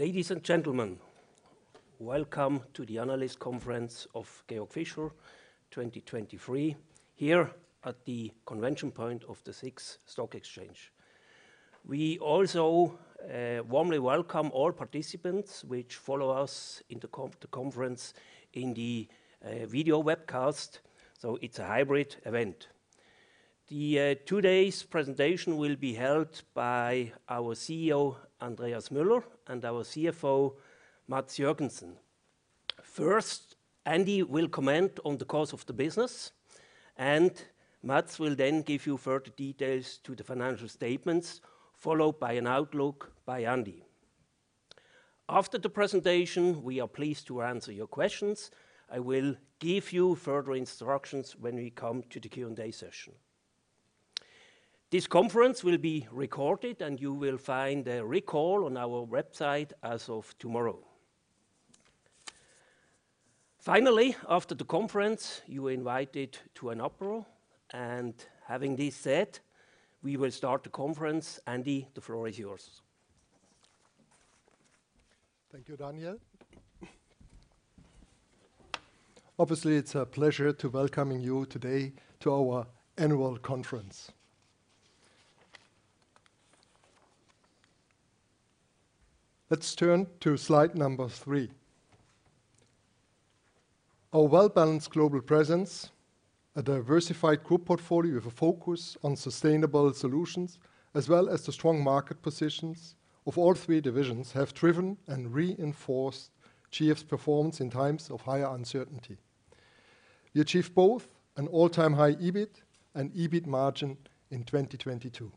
Ladies and gentlemen, welcome to the analyst conference of Georg Fischer 2023 here at the ConventionPoint of the SIX Swiss Exchange. We also warmly welcome all participants which follow us in the conference in the video webcast. It's a hybrid event. The today's presentation will be held by our CEO, Andreas Müller, and our CFO, Mads Jørgensen. First, Andy will comment on the course of the business. Mads will then give you further details to the financial statements, followed by an outlook by Andy. After the presentation, we are pleased to answer your questions. I will give you further instructions when we come to the Q&A session. This conference will be recorded. You will find a record on our website as of tomorrow. Finally, after the conference, you are invited to an Apéro. Having this said, we will start the conference. Andy, the floor is yours. Thank you, Daniel. Obviously, it's a pleasure to welcoming you today to our annual conference. Let's turn to slide number three. Our well-balanced global presence, a diversified group portfolio with a focus on sustainable solutions, as well as the strong market positions of all three divisions, have driven and reinforced GF's performance in times of higher uncertainty. We achieved both an all-time high EBIT and EBIT margin in 2022.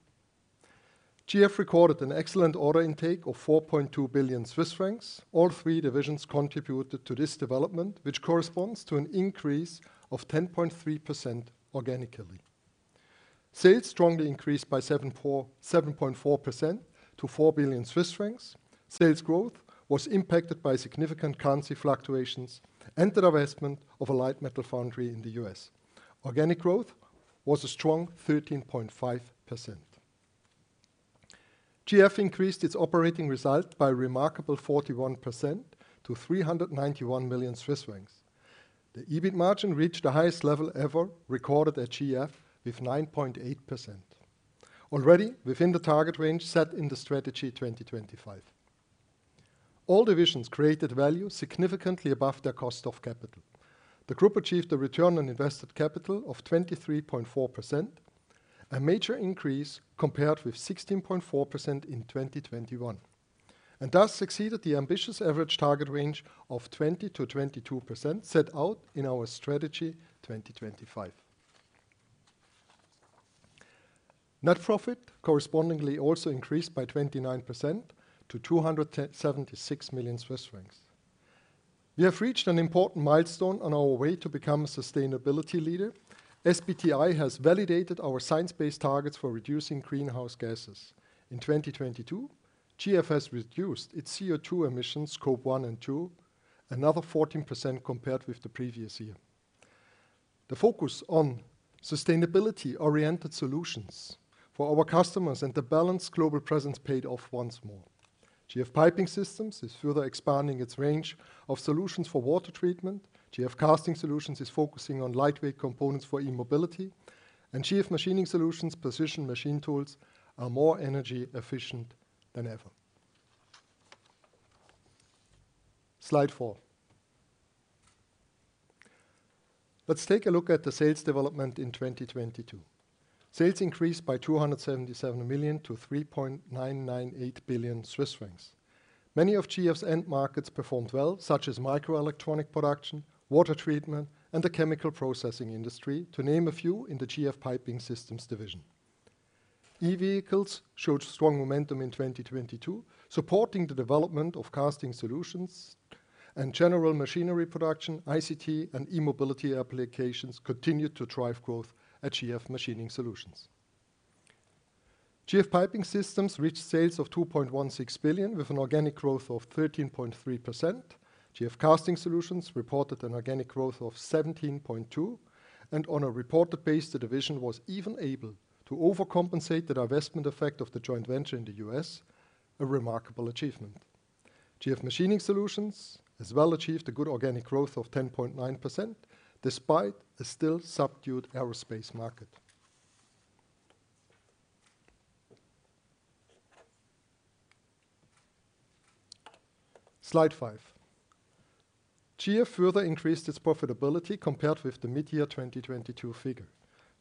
GF recorded an excellent order intake of 4.2 billion Swiss francs. All three divisions contributed to this development, which corresponds to an increase of 10.3% organically. Sales strongly increased by 7.4% to 4 billion Swiss francs. Sales growth was impacted by significant currency fluctuations and the divestment of a light metal foundry in the U.S. Organic growth was a strong 13.5%. GF increased its operating result by a remarkable 41% to 391 million Swiss francs. The EBIT margin reached the highest level ever recorded at GF with 9.8%, already within the target range set in the Strategy 2025. All divisions created value significantly above their cost of capital. The group achieved a return on invested capital of 23.4%, a major increase compared with 16.4% in 2021, and thus exceeded the ambitious average target range of 20%-22% set out in our Strategy 2025. Net profit correspondingly also increased by 29% to 276 million Swiss francs. We have reached an important milestone on our way to become a sustainability leader. SBTi has validated our science-based targets for reducing greenhouse gases. In 2022, GF has reduced its CO₂ emissions, Scope 1 and 2, another 14% compared with the previous year. The focus on sustainability-oriented solutions for our customers and the balanced global presence paid off once more. GF Piping Systems is further expanding its range of solutions for water treatment. GF Casting Solutions is focusing on lightweight components for e-mobility. GF Machining Solutions precision machine tools are more energy efficient than ever. Slide four. Let's take a look at the sales development in 2022. Sales increased by 277 million-3.998 billion Swiss francs. Many of GF's end markets performed well, such as microelectronic production, water treatment, and the chemical processing industry, to name a few in the GF Piping Systems division. E-vehicles showed strong momentum in 2022, supporting the development of Casting Solutions and general machinery production. ICT and e-mobility applications continued to drive growth at GF Machining Solutions. GF Piping Systems reached sales of 2.16 billion with an organic growth of 13.3%. GF Casting Solutions reported an organic growth of 17.2%. On a reported base, the division was even able to overcompensate the divestment effect of the joint venture in the U.S., a remarkable achievement. GF Machining Solutions as well achieved a good organic growth of 10.9% despite a still subdued aerospace market. Slide five. GF further increased its profitability compared with the mid-year 2022 figure.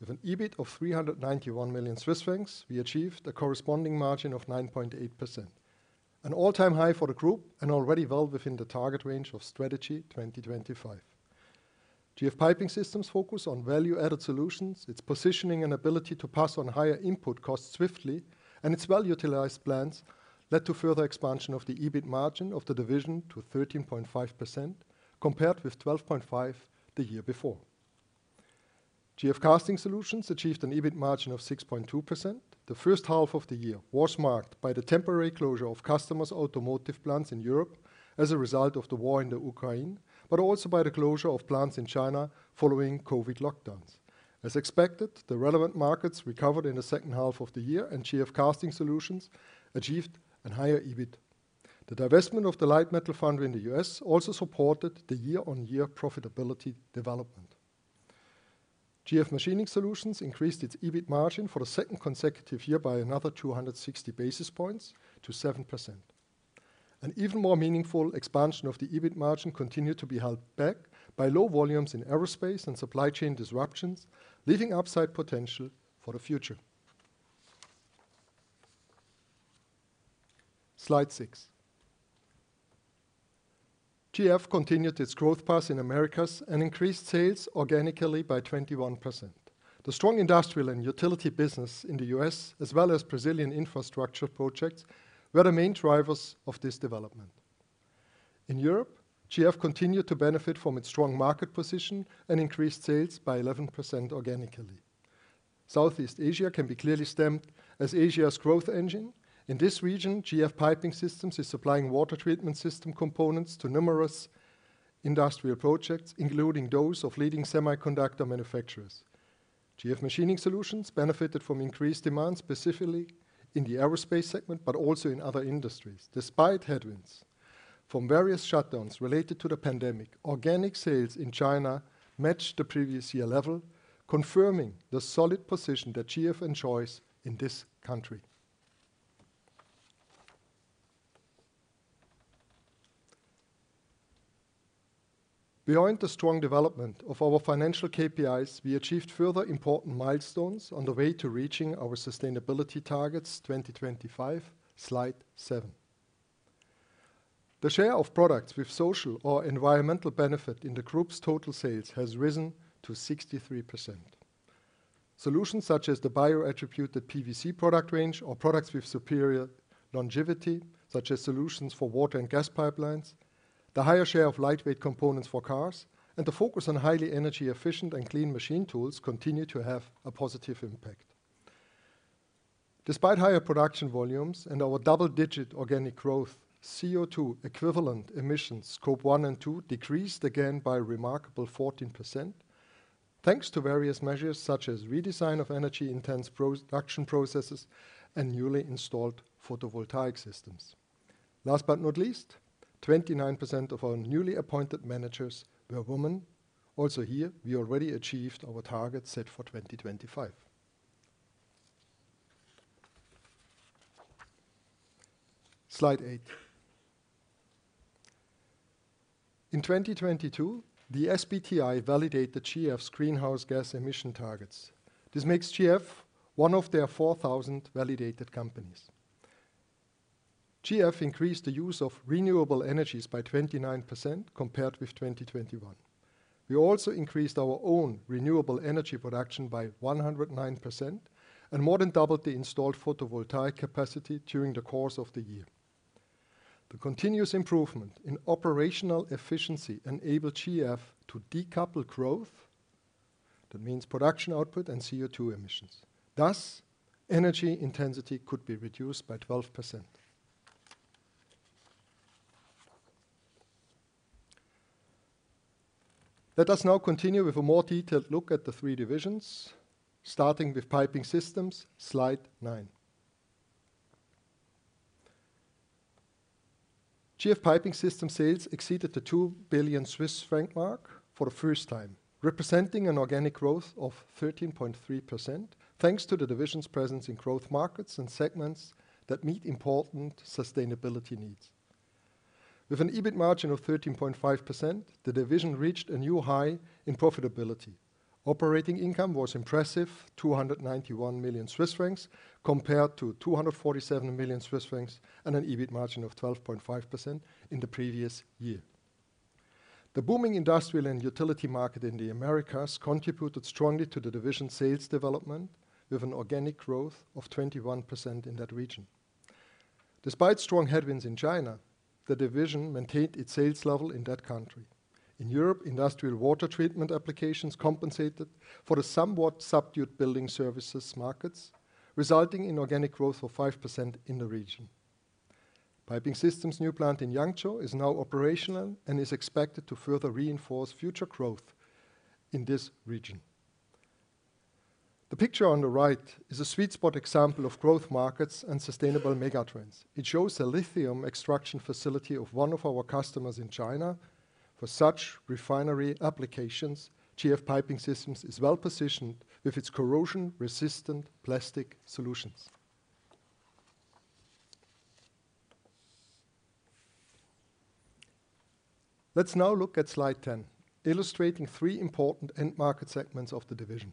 With an EBIT of 391 million Swiss francs, we achieved a corresponding margin of 9.8%, an all-time high for the group and already well within the target range of Strategy 2025. GF Piping Systems focus on value-added solutions, its positioning and ability to pass on higher input costs swiftly, and its well-utilized plans led to further expansion of the EBIT margin of the division to 13.5% compared with 12.5% the year before. GF Casting Solutions achieved an EBIT margin of 6.2%. The first half of the year was marked by the temporary closure of customers' automotive plants in Europe. As a result of the war in the Ukraine, but also by the closure of plants in China following COVID lockdowns. As expected, the relevant markets recovered in the second half of the year and GF Casting Solutions achieved a higher EBIT. The divestment of the light metal foundry in the U.S. also supported the year-on-year profitability development. GF Machining Solutions increased its EBIT margin for the second consecutive year by another 260 basis points to 7%. An even more meaningful expansion of the EBIT margin continued to be held back by low volumes in aerospace and supply chain disruptions, leaving upside potential for the future. Slide six. GF continued its growth path in Americas and increased sales organically by 21%. The strong industrial and utility business in the U.S., as well as Brazilian infrastructure projects, were the main drivers of this development. In Europe, GF continued to benefit from its strong market position and increased sales by 11% organically. Southeast Asia can be clearly stamped as Asia's growth engine. In this region, GF Piping Systems is supplying water treatment system components to numerous industrial projects, including those of leading semiconductor manufacturers. GF Machining Solutions benefited from increased demand, specifically in the aerospace segment, but also in other industries. Despite headwinds from various shutdowns related to the pandemic, organic sales in China matched the previous year level, confirming the solid position that GF enjoys in this country. Beyond the strong development of our financial KPIs, we achieved further important milestones on the way to reaching our sustainability targets, 2025. Slide seven. The share of products with social or environmental benefit in the Group's total sales has risen to 63%. Solutions such as the bio-attributed PVC product range or products with superior longevity, such as solutions for water and gas pipelines, the higher share of lightweight components for cars, and the focus on highly energy efficient and clean machine tools continue to have a positive impact. Despite higher production volumes and our double-digit organic growth, CO₂ equivalent emissions, Scope 1 and 2, decreased again by a remarkable 14%, thanks to various measures such as redesign of energy-intense production processes and newly installed photovoltaic systems. Last but not least, 29% of our newly appointed managers were women. Also here we already achieved our target set for 2025. Slide eight. In 2022, the SBTi validated GF's greenhouse gas emission targets. This makes GF one of their 4,000 validated companies. GF increased the use of renewable energies by 29% compared with 2021. We also increased our own renewable energy production by 109% and more than doubled the installed photovoltaic capacity during the course of the year. The continuous improvement in operational efficiency enabled GF to decouple growth, that means production output and CO₂ emissions. Energy intensity could be reduced by 12%. Let us now continue with a more detailed look at the three divisions, starting with Piping Systems. Slide nine. GF Piping Systems sales exceeded the 2 billion Swiss franc mark for the first time, representing an organic growth of 13.3%, thanks to the division's presence in growth markets and segments that meet important sustainability needs. With an EBIT margin of 13.5%, the division reached a new high in profitability. Operating income was impressive, 291 million Swiss francs compared to 247 million Swiss francs and an EBIT margin of 12.5% in the previous year. The booming industrial and utility market in the Americas contributed strongly to the division's sales development with an organic growth of 21% in that region. Despite strong headwinds in China, the division maintained its sales level in that country. In Europe, industrial water treatment applications compensated for the somewhat subdued building services markets, resulting in organic growth of 5% in the region. Piping Systems new plant in Yangzhou is now operational and is expected to further reinforce future growth in this region. The picture on the right is a sweet spot example of growth markets and sustainable mega trends. It shows a lithium extraction facility of one of our customers in China. For such refinery applications, GF Piping Systems is well-positioned with its corrosion-resistant plastic solutions. Let's now look at slide 10, illustrating three important end market segments of the division.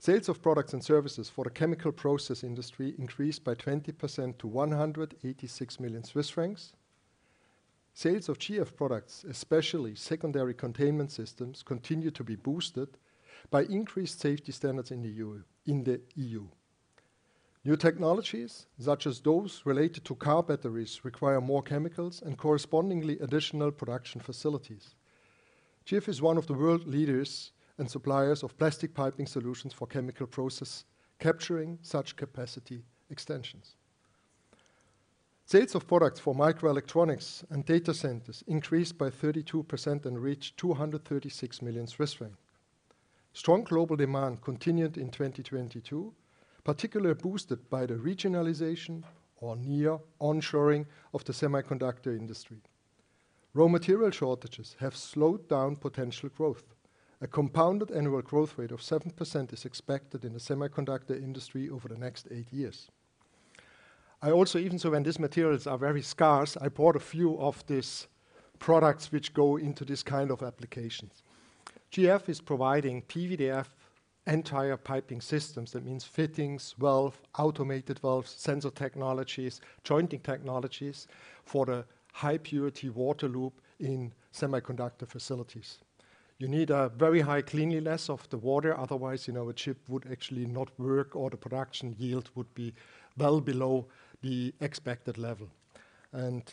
Sales of products and services for the chemical process industry increased by 20% to 186 million Swiss francs. Sales of GF products, especially secondary containment systems, continue to be boosted by increased safety standards in the EU. New technologies, such as those related to car batteries, require more chemicals and correspondingly additional production facilities. GF is one of the world leaders and suppliers of plastic piping solutions for chemical process, capturing such capacity extensions. Sales of products for microelectronics and data centers increased by 32% and reached 236 million Swiss francs. Strong global demand continued in 2022, particularly boosted by the regionalization or nearshoring of the semiconductor industry. Raw material shortages have slowed down potential growth. A compounded annual growth rate of 7% is expected in the semiconductor industry over the next eight years. I also, even so, when these materials are very scarce, I bought a few of these products which go into this kind of applications. GF is providing PVDF entire Piping Systems. That means fittings, valve, automated valves, sensor technologies, jointing technologies for the high purity water loop in semiconductor facilities. You need a very high cleanliness of the water, otherwise, you know, a chip would actually not work, or the production yield would be well below the expected level.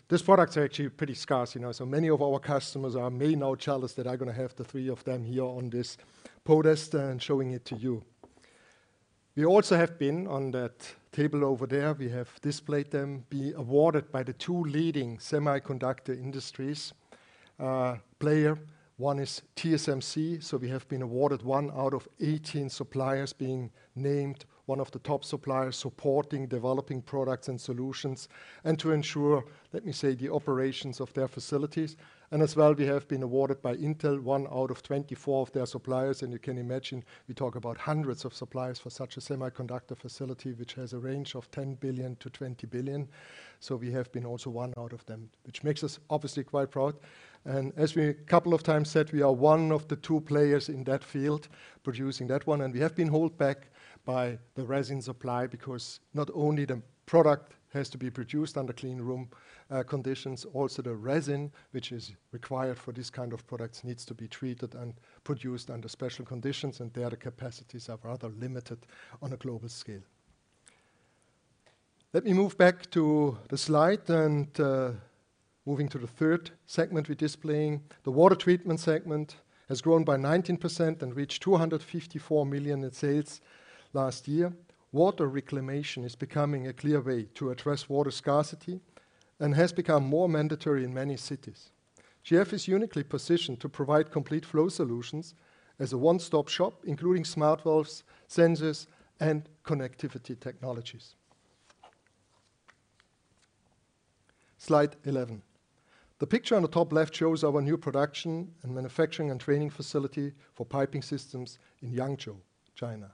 These products are actually pretty scarce, you know, so many of our customers are may now jealous that I'm gonna have the three of them here on this podest and showing it to you. We also have been, on that table over there, we have displayed them, been awarded by the two leading semiconductor industries, player. One is TSMC, so we have been awarded one out of 18 suppliers being named one of the top suppliers supporting developing products and solutions and to ensure, let me say, the operations of their facilities. As well, we have been awarded by Intel one out of 24 of their suppliers, and you can imagine we talk about hundreds of suppliers for such a semiconductor facility, which has a range of $10 billion-$20 billion. We have been also one out of them, which makes us obviously quite proud. As we a couple of times said, we are one of the two players in that field producing that one, and we have been held back by the resin supply because not only the product has to be produced under clean room conditions, also the resin, which is required for this kind of products, needs to be treated and produced under special conditions, and there the capacities are rather limited on a global scale. Let me move back to the slide, moving to the third segment we're displaying. The water treatment segment has grown by 19% and reached 254 million in sales last year. Water reclamation is becoming a clear way to address water scarcity and has become more mandatory in many cities. GF is uniquely positioned to provide complete flow solutions as a one-stop shop, including smart valves, sensors, and connectivity technologies. Slide 11. The picture on the top left shows our new production and manufacturing and training facility for Piping Systems in Changzhou, China.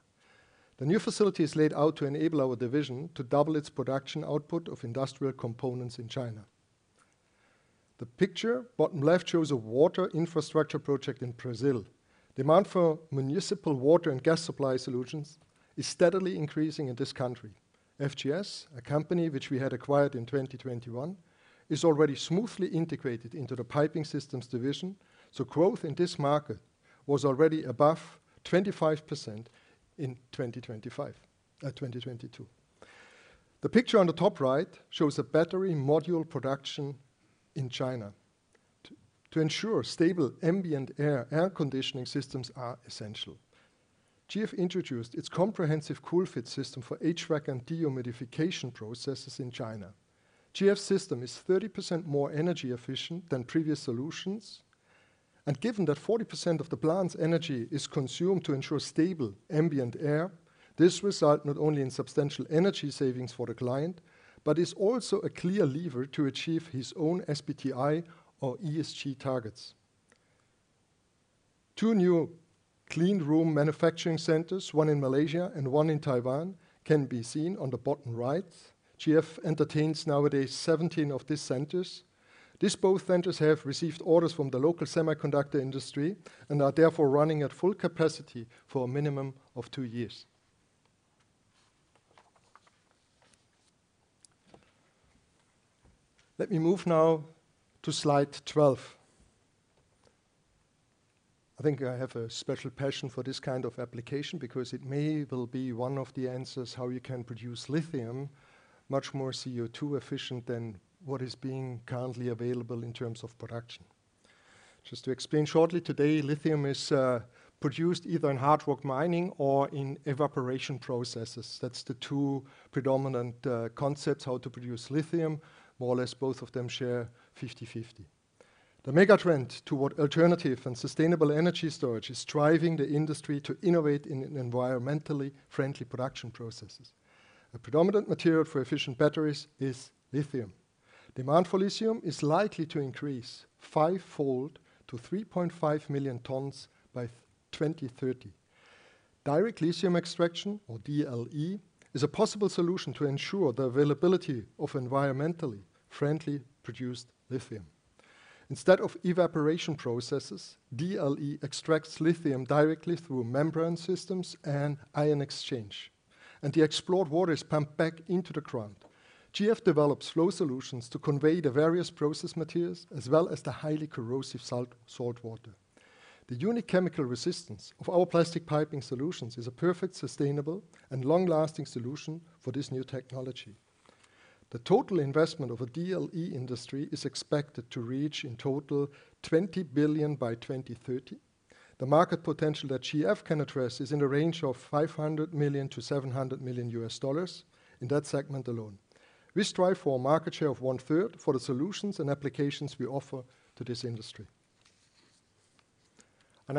The new facility is laid out to enable our division to double its production output of industrial components in China. The picture bottom left shows a water infrastructure project in Brazil. Demand for municipal water and gas supply solutions is steadily increasing in this country. FGS, a company which we had acquired in 2021, is already smoothly integrated into the Piping Systems division. Growth in this market was already above 25% in 2025, 2022. The picture on the top right shows a battery module production in China. To ensure stable ambient air conditioning systems are essential. GF introduced its comprehensive COOL-FIT system for HVAC and dehumidification processes in China. GF's system is 30% more energy efficient than previous solutions, and given that 40% of the plant's energy is consumed to ensure stable ambient air, this result not only in substantial energy savings for the client but is also a clear lever to achieve his own SBTi or ESG targets. Two new clean room manufacturing centers, one in Malaysia and one in Taiwan, can be seen on the bottom right. GF entertains nowadays 17 of these centers. These both centers have received orders from the local semiconductor industry and are therefore running at full capacity for a minimum of two years. Let me move now to slide 12. I think I have a special passion for this kind of application because it may well be one of the answers how you can produce lithium much more CO₂-efficient than what is being currently available in terms of production. Just to explain shortly, today lithium is produced either in hard rock mining or in evaporation processes. That's the two predominant concepts how to produce lithium, more or less both of them share 50/50. The mega-trend toward alternative and sustainable energy storage is driving the industry to innovate in environmentally friendly production processes. A predominant material for efficient batteries is lithium. Demand for lithium is likely to increase five-fold to 3.5 million tons by 2030. Direct lithium extraction, or DLE, is a possible solution to ensure the availability of environmentally friendly produced lithium. Instead of evaporation processes, DLE extracts lithium directly through membrane systems and ion exchange, and the explored water is pumped back into the ground. GF develops flow solutions to convey the various process materials as well as the highly corrosive salt water. The unique chemical resistance of our plastic piping solutions is a perfect, sustainable, and long-lasting solution for this new technology. The total investment of a DLE industry is expected to reach in total $20 billion by 2030. The market potential that GF can address is in the range of $500 million-$700 million U.S. dollars in that segment alone. We strive for a market share of 1/3 for the solutions and applications we offer to this industry.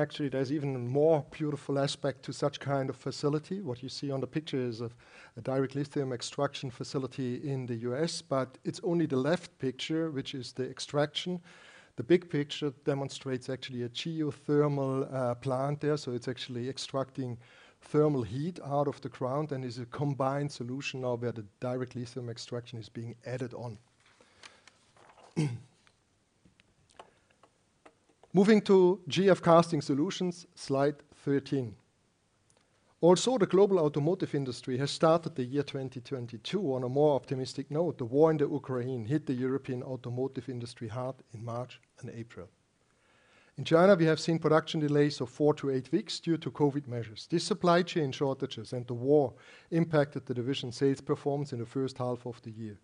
Actually, there's even more beautiful aspect to such kind of facility. What you see on the picture is a direct lithium extraction facility in the U.S., but it's only the left picture, which is the extraction. The big picture demonstrates actually a geothermal plant there. It's actually extracting thermal heat out of the ground and is a combined solution now where the direct lithium extraction is being added on. Moving to GF Casting Solutions, slide 13. The global automotive industry has started the year 2022 on a more optimistic note. The war in the Ukraine hit the European automotive industry hard in March and April. In China, we have seen production delays of four to eight weeks due to COVID measures. These supply chain shortages and the war impacted the division sales performance in the first half of the year.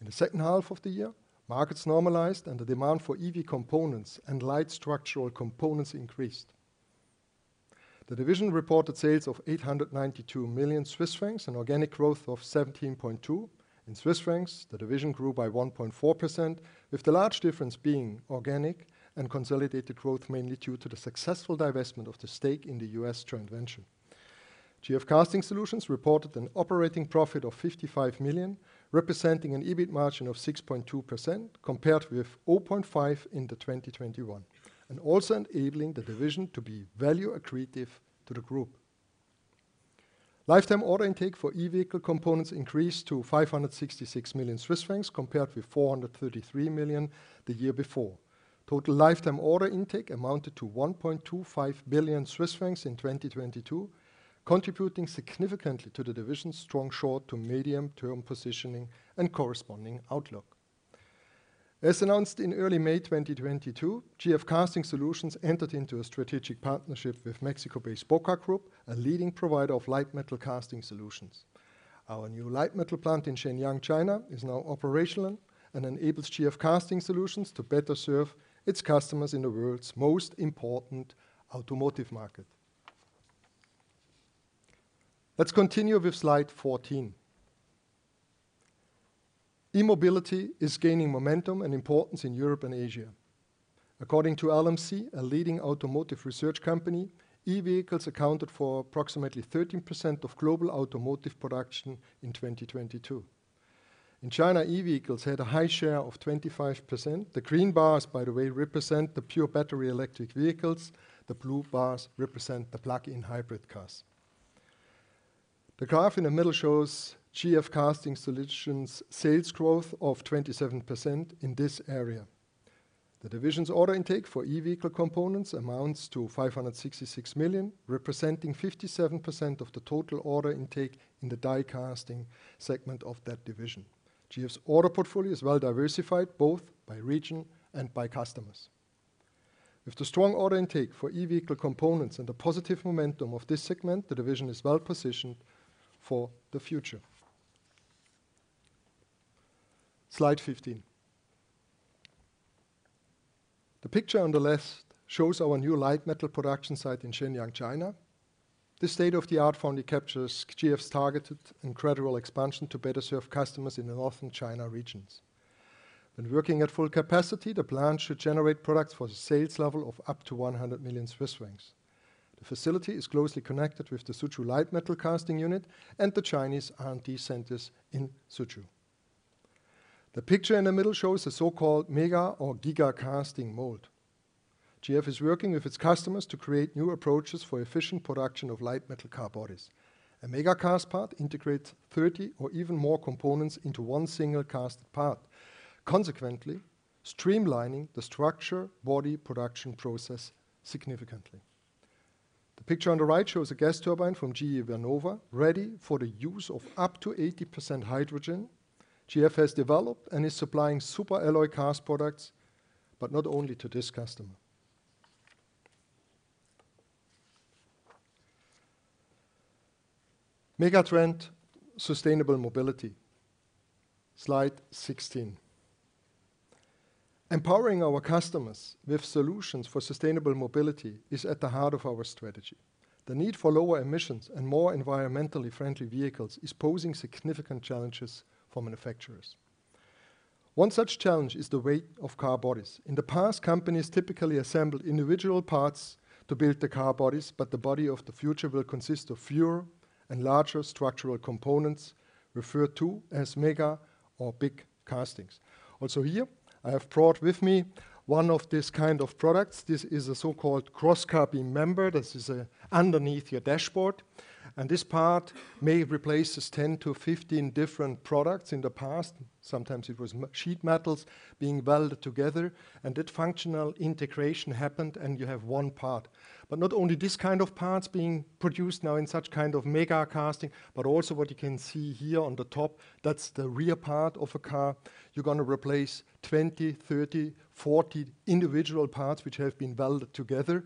In the second half of the year, markets normalized and the demand for EV components and light structural components increased. The division reported sales of 892 million Swiss francs, an organic growth of 17.2%. In Swiss francs, the division grew by 1.4%, with the large difference being organic and consolidated growth mainly due to the successful divestment of the stake in the U.S. joint venture. GF Casting Solutions reported an operating profit of 55 million, representing an EBIT margin of 6.2% compared with 0.5% in 2021, and also enabling the division to be value accretive to the group. Lifetime order intake for e-vehicle components increased to 566 million Swiss francs compared with 433 million the year before. Total lifetime order intake amounted to 1.25 billion Swiss francs in 2022, contributing significantly to the division's strong short to medium-term positioning and corresponding outlook. As announced in early May 2022, GF Casting Solutions entered into a strategic partnership with Mexico-based Bocar Group, a leading provider of light metal Casting Solutions. Our new light metal plant in Shenyang, China, is now operational and enables GF Casting Solutions to better serve its customers in the world's most important automotive market. Let's continue with slide 14. E-mobility is gaining momentum and importance in Europe and Asia. According to LMC, a leading automotive research company, e-vehicles accounted for approximately 13% of global automotive production in 2022. In China, e-vehicles had a high share of 25%. The green bars, by the way, represent the pure battery electric vehicles. The blue bars represent the plug-in hybrid cars. The graph in the middle shows GF Casting Solutions' sales growth of 27% in this area. The division's order intake for e-vehicle components amounts to 566 million, representing 57% of the total order intake in the die casting segment of that division. GF's order portfolio is well diversified, both by region and by customers. With the strong order intake for e-vehicle components and the positive momentum of this segment, the division is well-positioned for the future. Slide 15. The picture on the left shows our new light metal production site in Shenyang, China. This state-of-the-art foundry captures GF's targeted incredible expansion to better serve customers in the Northern China regions. When working at full capacity, the plant should generate products for the sales level of up to 100 million Swiss francs. The facility is closely connected with the Suzhou light metal casting unit and the Chinese R&D centers in Suzhou. The picture in the middle shows a so-called mega or giga casting mold. GF is working with its customers to create new approaches for efficient production of light metal car bodies. A mega cast part integrates 30 or even more components into one single cast part, consequently streamlining the structure body production process significantly. The picture on the right shows a gas turbine from GE Vernova ready for the use of up to 80% hydrogen. GF has developed and is supplying super alloy cast products, but not only to this customer. Megatrend: sustainable mobility. Slide 16. Empowering our customers with solutions for sustainable mobility is at the heart of our strategy. The need for lower emissions and more environmentally friendly vehicles is posing significant challenges for manufacturers. One such challenge is the weight of car bodies. In the past, companies typically assembled individual parts to build the car bodies, but the body of the future will consist of fewer and larger structural components referred to as mega or big castings. Also here, I have brought with me one of these kind of products. This is a so-called cross car beam. This is underneath your dashboard, and this part may replaces 10-15 different products. In the past, sometimes it was sheet metals being welded together, and that functional integration happened, and you have one part. Not only this kind of parts being produced now in such kind of mega casting, but also what you can see here on the top, that's the rear part of a car. You're gonna replace 20, 30, 40 individual parts which have been welded together.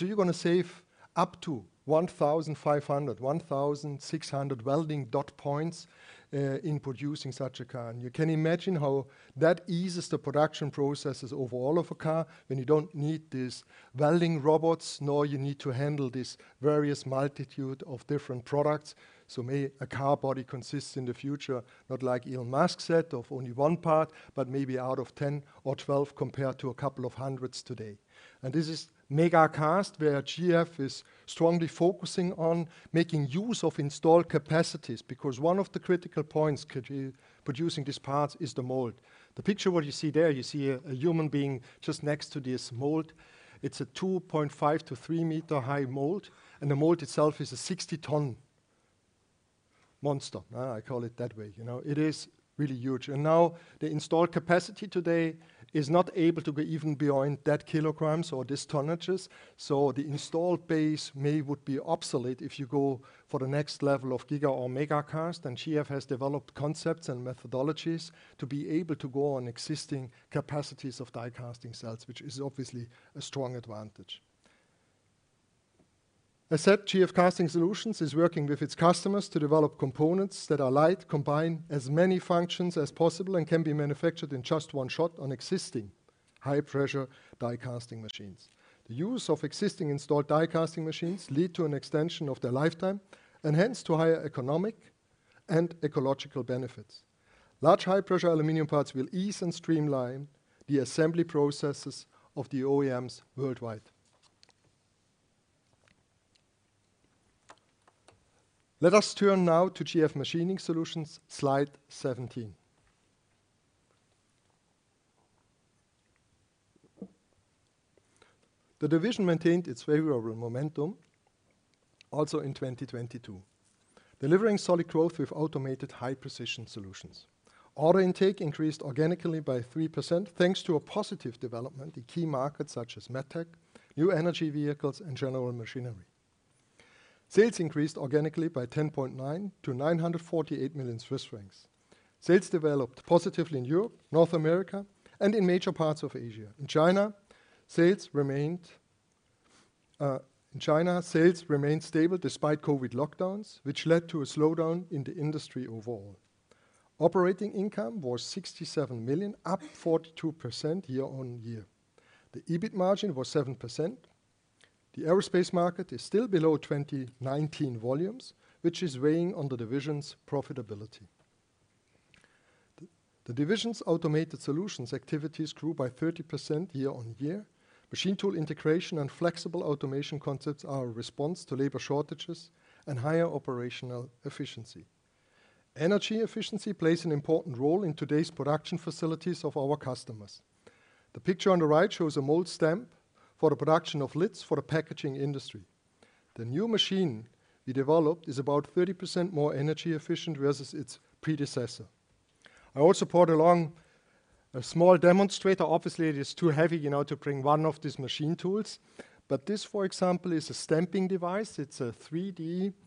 You're gonna save up to 1,500, 1,600 welding dot points in producing such a car. You can imagine how that eases the production processes overall of a car when you don't need these welding robots, nor you need to handle this various multitude of different products. May a car body consists in the future, not like Elon Musk said, of only one part, but maybe out of 10 or 12 compared to a couple of hundreds today. This is mega cast, where GF is strongly focusing on making use of installed capacities. One of the critical points could be producing these parts is the mold. The picture what you see there, you see a human being just next to this mold. It's a 2.5 to 3-meter-high mold, and the mold itself is a 60-ton monster. I call it that way, you know. It is really huge. Now, the installed capacity today is not able to be even behind that kilograms or these tonnages. The installed base may would be obsolete if you go for the next level of giga or mega cast. GF has developed concepts and methodologies to be able to go on existing capacities of die casting cells, which is obviously a strong advantage. As said, GF Casting Solutions is working with its customers to develop components that are light, combine as many functions as possible, and can be manufactured in just one shot on existing high-pressure die casting machines. The use of existing installed die casting machines lead to an extension of their lifetime and hence to higher economic and ecological benefits. Large high-pressure aluminum parts will ease and streamline the assembly processes of the OEMs worldwide. Let us turn now to GF Machining Solutions, slide 17. The division maintained its favorable momentum also in 2022, delivering solid growth with automated high-precision solutions. Order intake increased organically by 3%, thanks to a positive development in key markets such as med tech, new energy vehicles, and general machinery. Sales increased organically by 10.9% to 948 million Swiss francs. Sales developed positively in Europe, North America, and in major parts of Asia. In China, sales remained stable despite COVID lockdowns, which led to a slowdown in the industry overall. Operating income was 67 million, up 42% year-over-year. The EBIT margin was 7%. The aerospace market is still below 2019 volumes, which is weighing on the division's profitability. The division's automated solutions activities grew by 30% year-over-year. Machine tool integration and flexible automation concepts are a response to labor shortages and higher operational efficiency. Energy efficiency plays an important role in today's production facilities of our customers. The picture on the right shows a mold stamp for the production of lids for the packaging industry. The new machine we developed is about 30% more energy efficient versus its predecessor. I also brought along a small demonstrator. Obviously, it is too heavy, you know, to bring one of these machine tools. This, for example, is a stamping device. It's a three-axle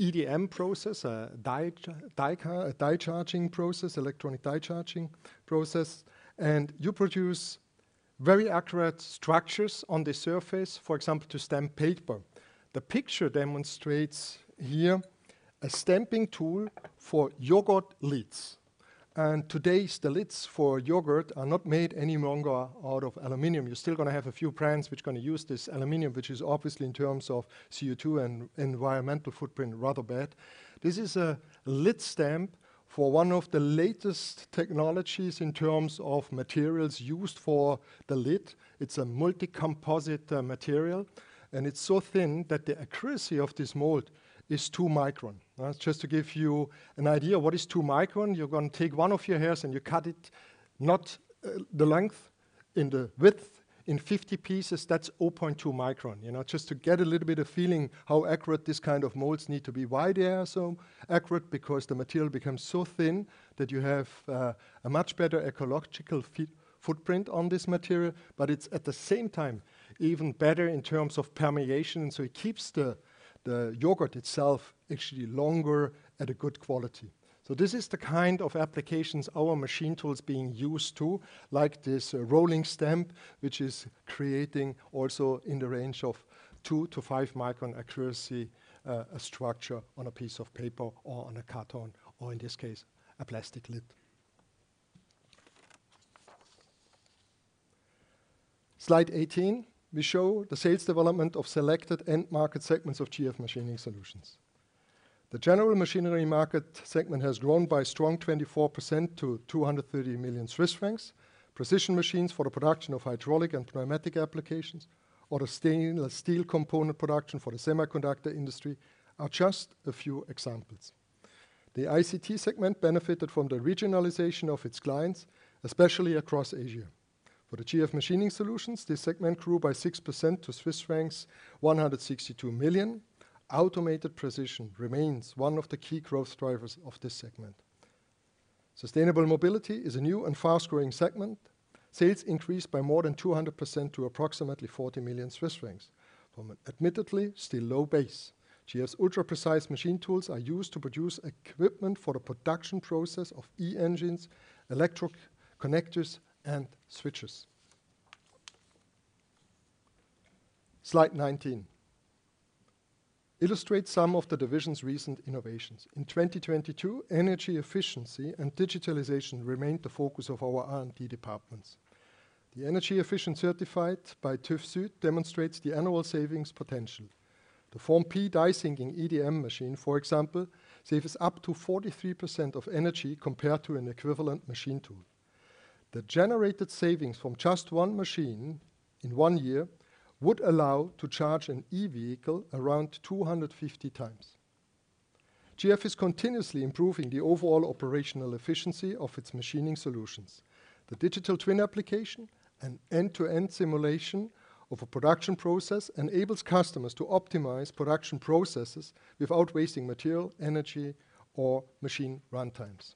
EDM process, a die charging process, electronic die charging process. You produce very accurate structures on the surface, for example, to stamp paper. The picture demonstrates here a stamping tool for yogurt lids. Today's, the lids for yogurt are not made any longer out of aluminum. You're still gonna have a few brands which are gonna use this aluminum, which is obviously, in terms of CO₂ and environmental footprint, rather bad. This is a lid stamp for one of the latest technologies in terms of materials used for the lid. It's a multi-composite material, and it's so thin that the accuracy of this mold is 2 micron. Just to give you an idea what is 2 micron, you're gonna take one of your hairs and you cut it, not the length, in the width, in 50 pieces. That's 0.2 micron. You know, just to get a little bit of feeling how accurate this kind of molds need to be. Why they are so accurate? The material becomes so thin that you have a much better ecological footprint on this material, but it's at the same time even better in terms of permeation. It keeps the yogurt itself actually longer at a good quality. This is the kind of applications our machine tools being used to, like this rolling stamp, which is creating also in the range of 2 micron to 5-micron accuracy, a structure on a piece of paper or on a carton, or in this case, a plastic lid. Slide 18, we show the sales development of selected end market segments of GF Machining Solutions. The general machinery market segment has grown by a strong 24% to 230 million Swiss francs. Precision machines for the production of hydraulic and pneumatic applications or the stainless steel component production for the semiconductor industry are just a few examples. The ICT segment benefited from the regionalization of its clients, especially across Asia. For the GF Machining Solutions, this segment grew by 6% to Swiss francs 162 million. Automated precision remains one of the key growth drivers of this segment. Sustainable mobility is a new and fast-growing segment. Sales increased by more than 200% to approximately 40 million Swiss francs from an admittedly still low base. GF's ultra-precise machine tools are used to produce equipment for the production process of e-engines, electric connectors, and switches. Slide 19 illustrates some of the division's recent innovations. In 2022, energy efficiency and digitalization remained the focus of our R&D departments. The energy efficient certified by TÜV SÜD demonstrates the annual savings potential. The Form P die-sinking EDM machine, for example, saves up to 43% of energy compared to an equivalent machine tool. The generated savings from just one machine in one year would allow to charge an e-vehicle around 250x. GF is continuously improving the overall operational efficiency of its machining solutions. The digital twin application and end-to-end simulation of a production process enables customers to optimize production processes without wasting material, energy or machine runtimes.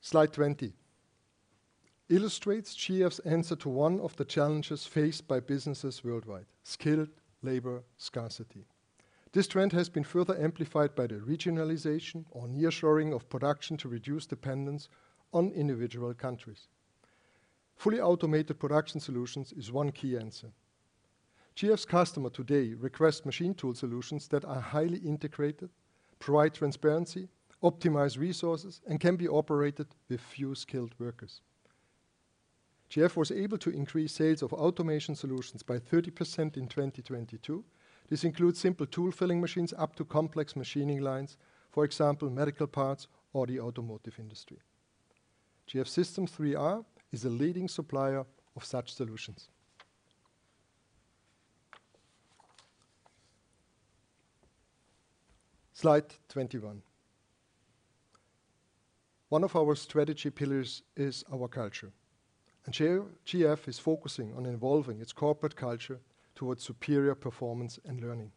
Slide 20 illustrates GF's answer to one of the challenges faced by businesses worldwide: skilled labor scarcity. This trend has been further amplified by the regionalization or nearshoring of production to reduce dependence on individual countries. Fully automated production solutions is one key answer. GF's customer today request machine tool solutions that are highly integrated, provide transparency, optimize resources, and can be operated with few skilled workers. GF was able to increase sales of automation solutions by 30% in 2022. This includes simple tool filling machines up to complex machining lines. For example, medical parts or the automotive industry. GF System 3R is a leading supplier of such solutions. Slide 21. One of our strategy pillars is our culture, and GF is focusing on evolving its corporate culture towards superior performance and learning.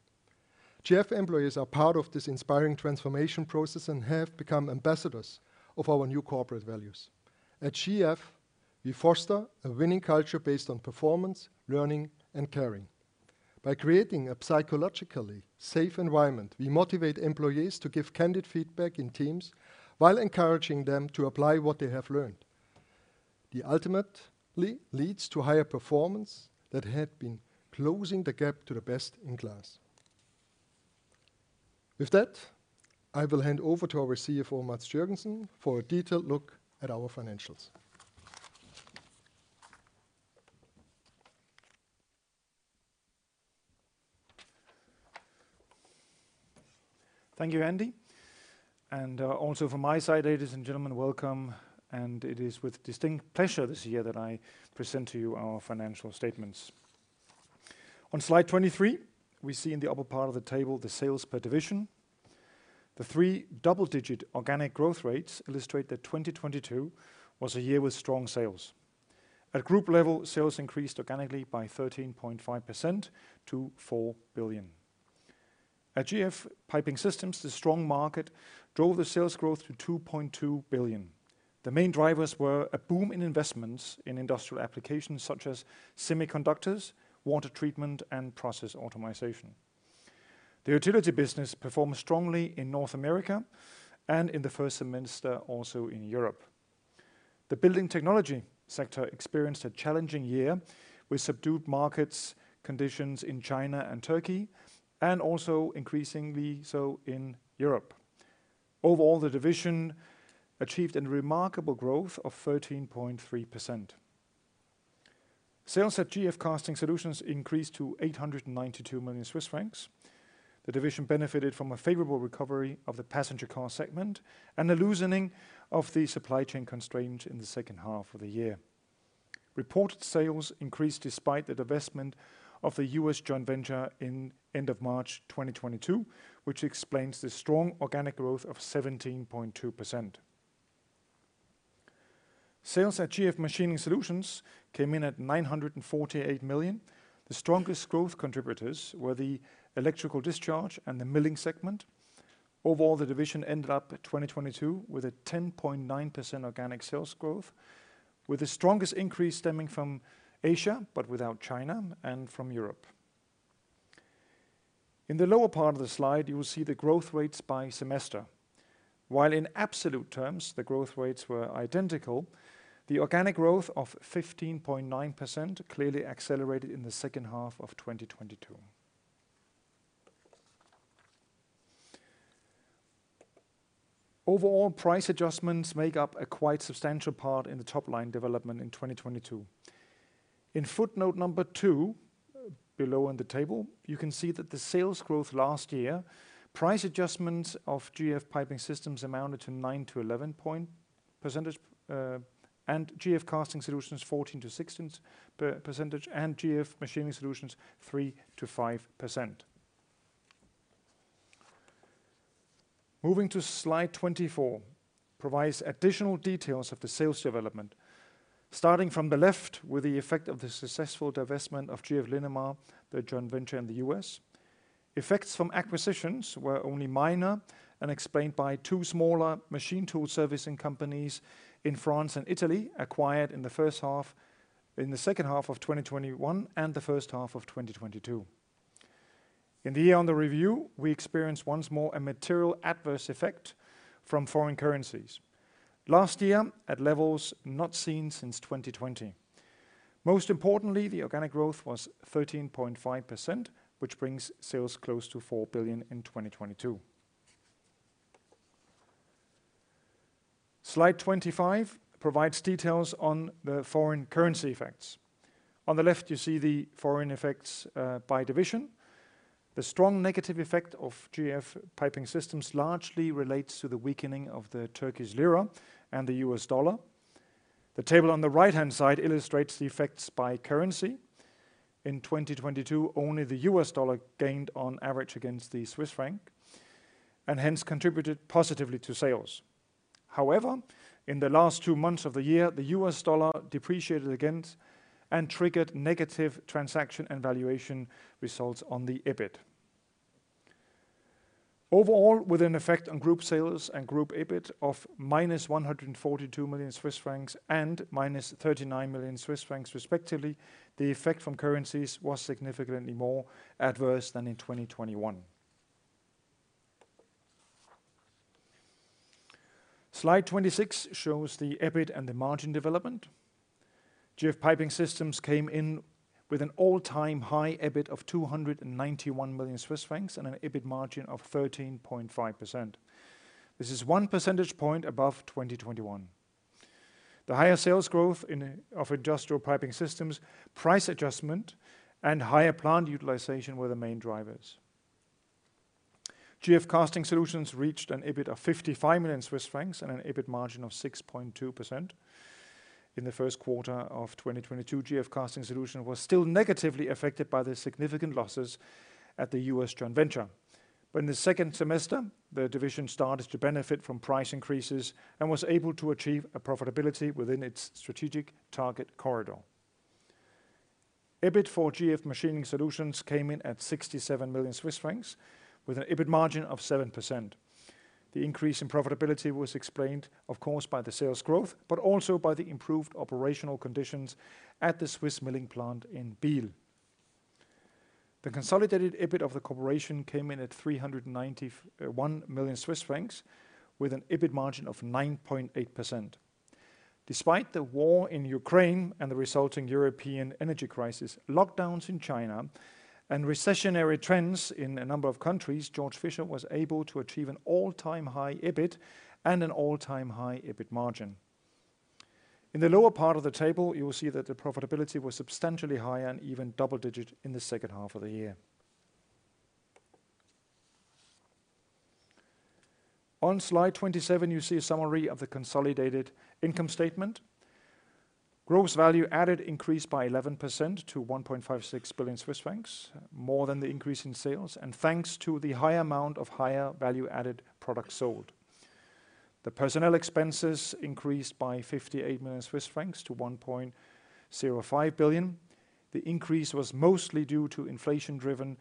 GF employees are part of this inspiring transformation process and have become ambassadors of our new corporate values. At GF, we foster a winning culture based on performance, learning and caring. By creating a psychologically safe environment, we motivate employees to give candid feedback in teams while encouraging them to apply what they have learned. The ultimately leads to higher performance that had been closing the gap to the best-in-class. With that, I will hand over to our CFO, Mads Jørgensen, for a detailed look at our financials. Thank you, Andy. Also from my side, ladies and gentlemen, welcome, and it is with distinct pleasure this year that I present to you our financial statements. On slide 23, we see in the upper part of the table the sales per division. The three double-digit organic growth rates illustrate that 2022 was a year with strong sales. At group level, sales increased organically by 13.5% to 4 billion. At GF Piping Systems, the strong market drove the sales growth to 2.2 billion. The main drivers were a boom in investments in industrial applications such as semiconductors, water treatment and process automatization. The utility business performed strongly in North America and in the first semester, also in Europe. The building technology sector experienced a challenging year with subdued markets conditions in China and Turkey and also increasingly so in Europe. Overall, the division achieved a remarkable growth of 13.3%. Sales at GF Casting Solutions increased to 892 million Swiss francs. The division benefited from a favorable recovery of the passenger car segment and a loosening of the supply chain constraint in the second half of the year. Reported sales increased despite the divestment of the U.S. joint venture in end of March 2022, which explains the strong organic growth of 17.2%. Sales at GF Machining Solutions came in at 948 million. The strongest growth contributors were the electrical discharge and the milling segment. Overall, the division ended up at 2022 with a 10.9% organic sales growth, with the strongest increase stemming from Asia, but without China and from Europe. In the lower part of the slide, you will see the growth rates by semester. While in absolute terms the growth rates were identical, the organic growth of 15.9% clearly accelerated in the second half of 2022. Overall, price adjustments make up a quite substantial part in the top-line development in 2022. In footnote number two, below on the table, you can see that the sales growth last year, price adjustments of GF Piping Systems amounted to 9 point percentage-11 point percentage, and GF Casting Solutions 14%-16%, and GF Machining Solutions 3%-5%. Moving to slide 24 provides additional details of the sales development, starting from the left with the effect of the successful divestment of GF Linamar, the joint venture in the U.S.. Effects from acquisitions were only minor and explained by two smaller machine tool servicing companies in France and Italy, acquired in the second half of 2021 and the first half of 2022. In the year under review, we experienced once more a material adverse effect from foreign currencies. Last year, at levels not seen since 2020. Most importantly, the organic growth was 13.5%, which brings sales close to 4 billion in 2022. Slide 25 provides details on the foreign currency effects. On the left, you see the foreign effects by division. The strong negative effect of GF Piping Systems largely relates to the weakening of the Turkish lira and the U.S. dollar. The table on the right-hand side illustrates the effects by currency. In 2022, only the U.S. dollar gained on average against the Swiss franc and hence contributed positively to sales. However, in the last two months of the year, the U.S. dollar depreciated against and triggered negative transaction and valuation results on the EBIT. Overall, with an effect on group sales and group EBIT of -142 million Swiss francs and -39 million Swiss francs respectively, the effect from currencies was significantly more adverse than in 2021. Slide 26 shows the EBIT and the margin development. GF Piping Systems came in with an all-time high EBIT of 291 million Swiss francs and an EBIT margin of 13.5%. This is one percentage point above 2021. The higher sales growth of Industrial Piping Systems, price adjustment, and higher plant utilization were the main drivers. GF Casting Solutions reached an EBIT of 55 million Swiss francs and an EBIT margin of 6.2%. In the first quarter of 2022, GF Casting Solutions was still negatively affected by the significant losses at the U.S. joint venture. In the second semester, the division started to benefit from price increases and was able to achieve a profitability within its strategic target corridor. EBIT for GF Machining Solutions came in at 67 million Swiss francs with an EBIT margin of 7%. The increase in profitability was explained, of course, by the sales growth, but also by the improved operational conditions at the Swiss milling plant in Biel. The consolidated EBIT of the corporation came in at 391 million Swiss francs with an EBIT margin of 9.8%. Despite the war in Ukraine and the resulting European energy crisis, lockdowns in China, and recessionary trends in a number of countries, Georg Fischer was able to achieve an all-time high EBIT and an all-time high EBIT margin. In the lower part of the table, you will see that the profitability was substantially higher and even double-digit in the second half of the year. On slide 27, you see a summary of the consolidated income statement. Gross value added increased by 11% to 1.56 billion Swiss francs, more than the increase in sales, thanks to the high amount of higher value-added products sold. The personnel expenses increased by 58 million-1.05 billion Swiss francs. The increase was mostly due to inflation-driven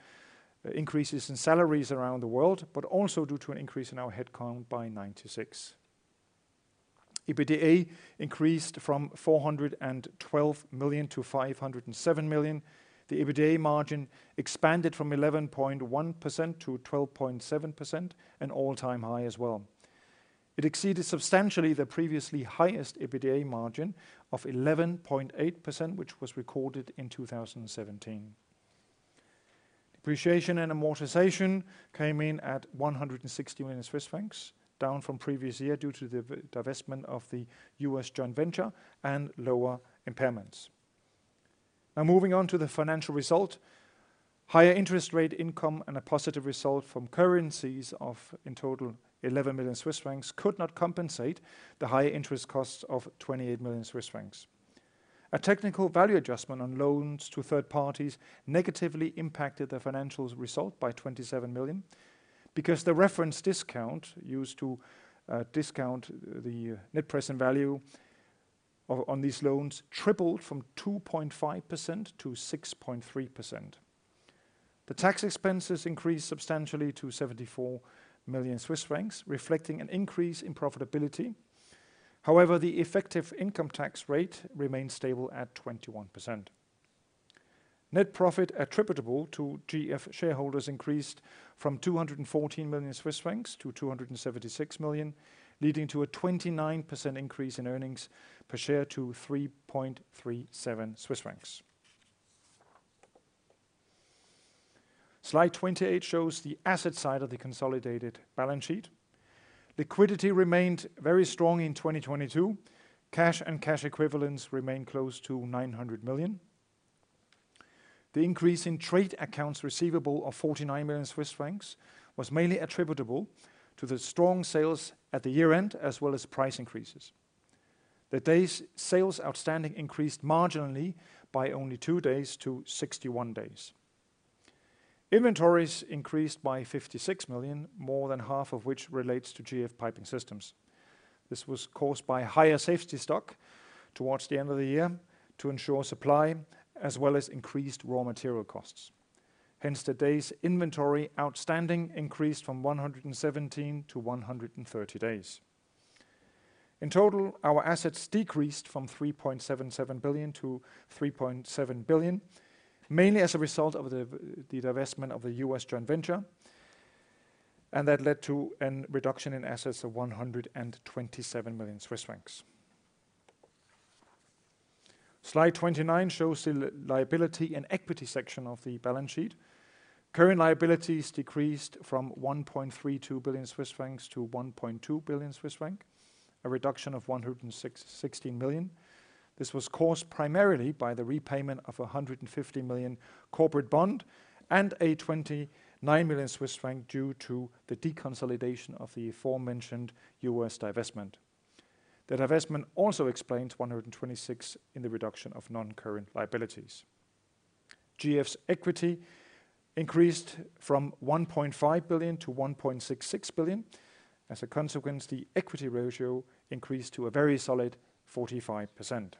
increases in salaries around the world, also due to an increase in our headcount by 96. EBITDA increased from 412 million-507 million. The EBITDA margin expanded from 11.1%-12.7%, an all-time high as well. It exceeded substantially the previously highest EBITDA margin of 11.8%, which was recorded in 2017. Depreciation and amortization came in at 160 million Swiss francs, down from previous year due to the divestment of the U.S. joint venture and lower impairments. Moving on to the financial result. Higher interest rate income and a positive result from currencies of, in total, 11 million Swiss francs could not compensate the high interest costs of 28 million Swiss francs. A technical value adjustment on loans to third parties negatively impacted the financials result by 27 million because the reference discount used to discount the net present value on these loans tripled from 2.5%-6.3%. The tax expenses increased substantially to 74 million Swiss francs, reflecting an increase in profitability. The effective income tax rate remained stable at 21%. Net profit attributable to GF shareholders increased from 214 million-276 million Swiss francs, leading to a 29% increase in Earnings Per Share to 3.37 Swiss francs. Slide 28 shows the asset side of the consolidated balance sheet. Liquidity remained very strong in 2022. Cash and cash equivalents remained close to 900 million. The increase in trade accounts receivable of 49 million Swiss francs was mainly attributable to the strong sales at the year-end, as well as price increases. Sales outstanding increased marginally by only two days to 61 days. Inventories increased by 56 million, more than half of which relates to GF Piping Systems. This was caused by higher safety stock towards the end of the year to ensure supply as well as increased raw material costs. Hence, the days inventory outstanding increased from 117 to 130 days. In total, our assets decreased from 3.77 billion-3.7 billion, mainly as a result of the divestment of the U.S. joint venture. That led to a reduction in assets of 127 million Swiss francs. Slide 29 shows the liability and equity section of the balance sheet. Current liabilities decreased from 1.32 billion-1.2 billion Swiss francs, a reduction of 116 million. This was caused primarily by the repayment of a 150 million corporate bond and a 29 million Swiss franc due to the deconsolidation of the aforementioned U.S. divestment. The divestment also explains 126 million in the reduction of non-current liabilities. GF's equity increased from 1.5 billion-1.66 billion. As a consequence, the equity ratio increased to a very solid 45%.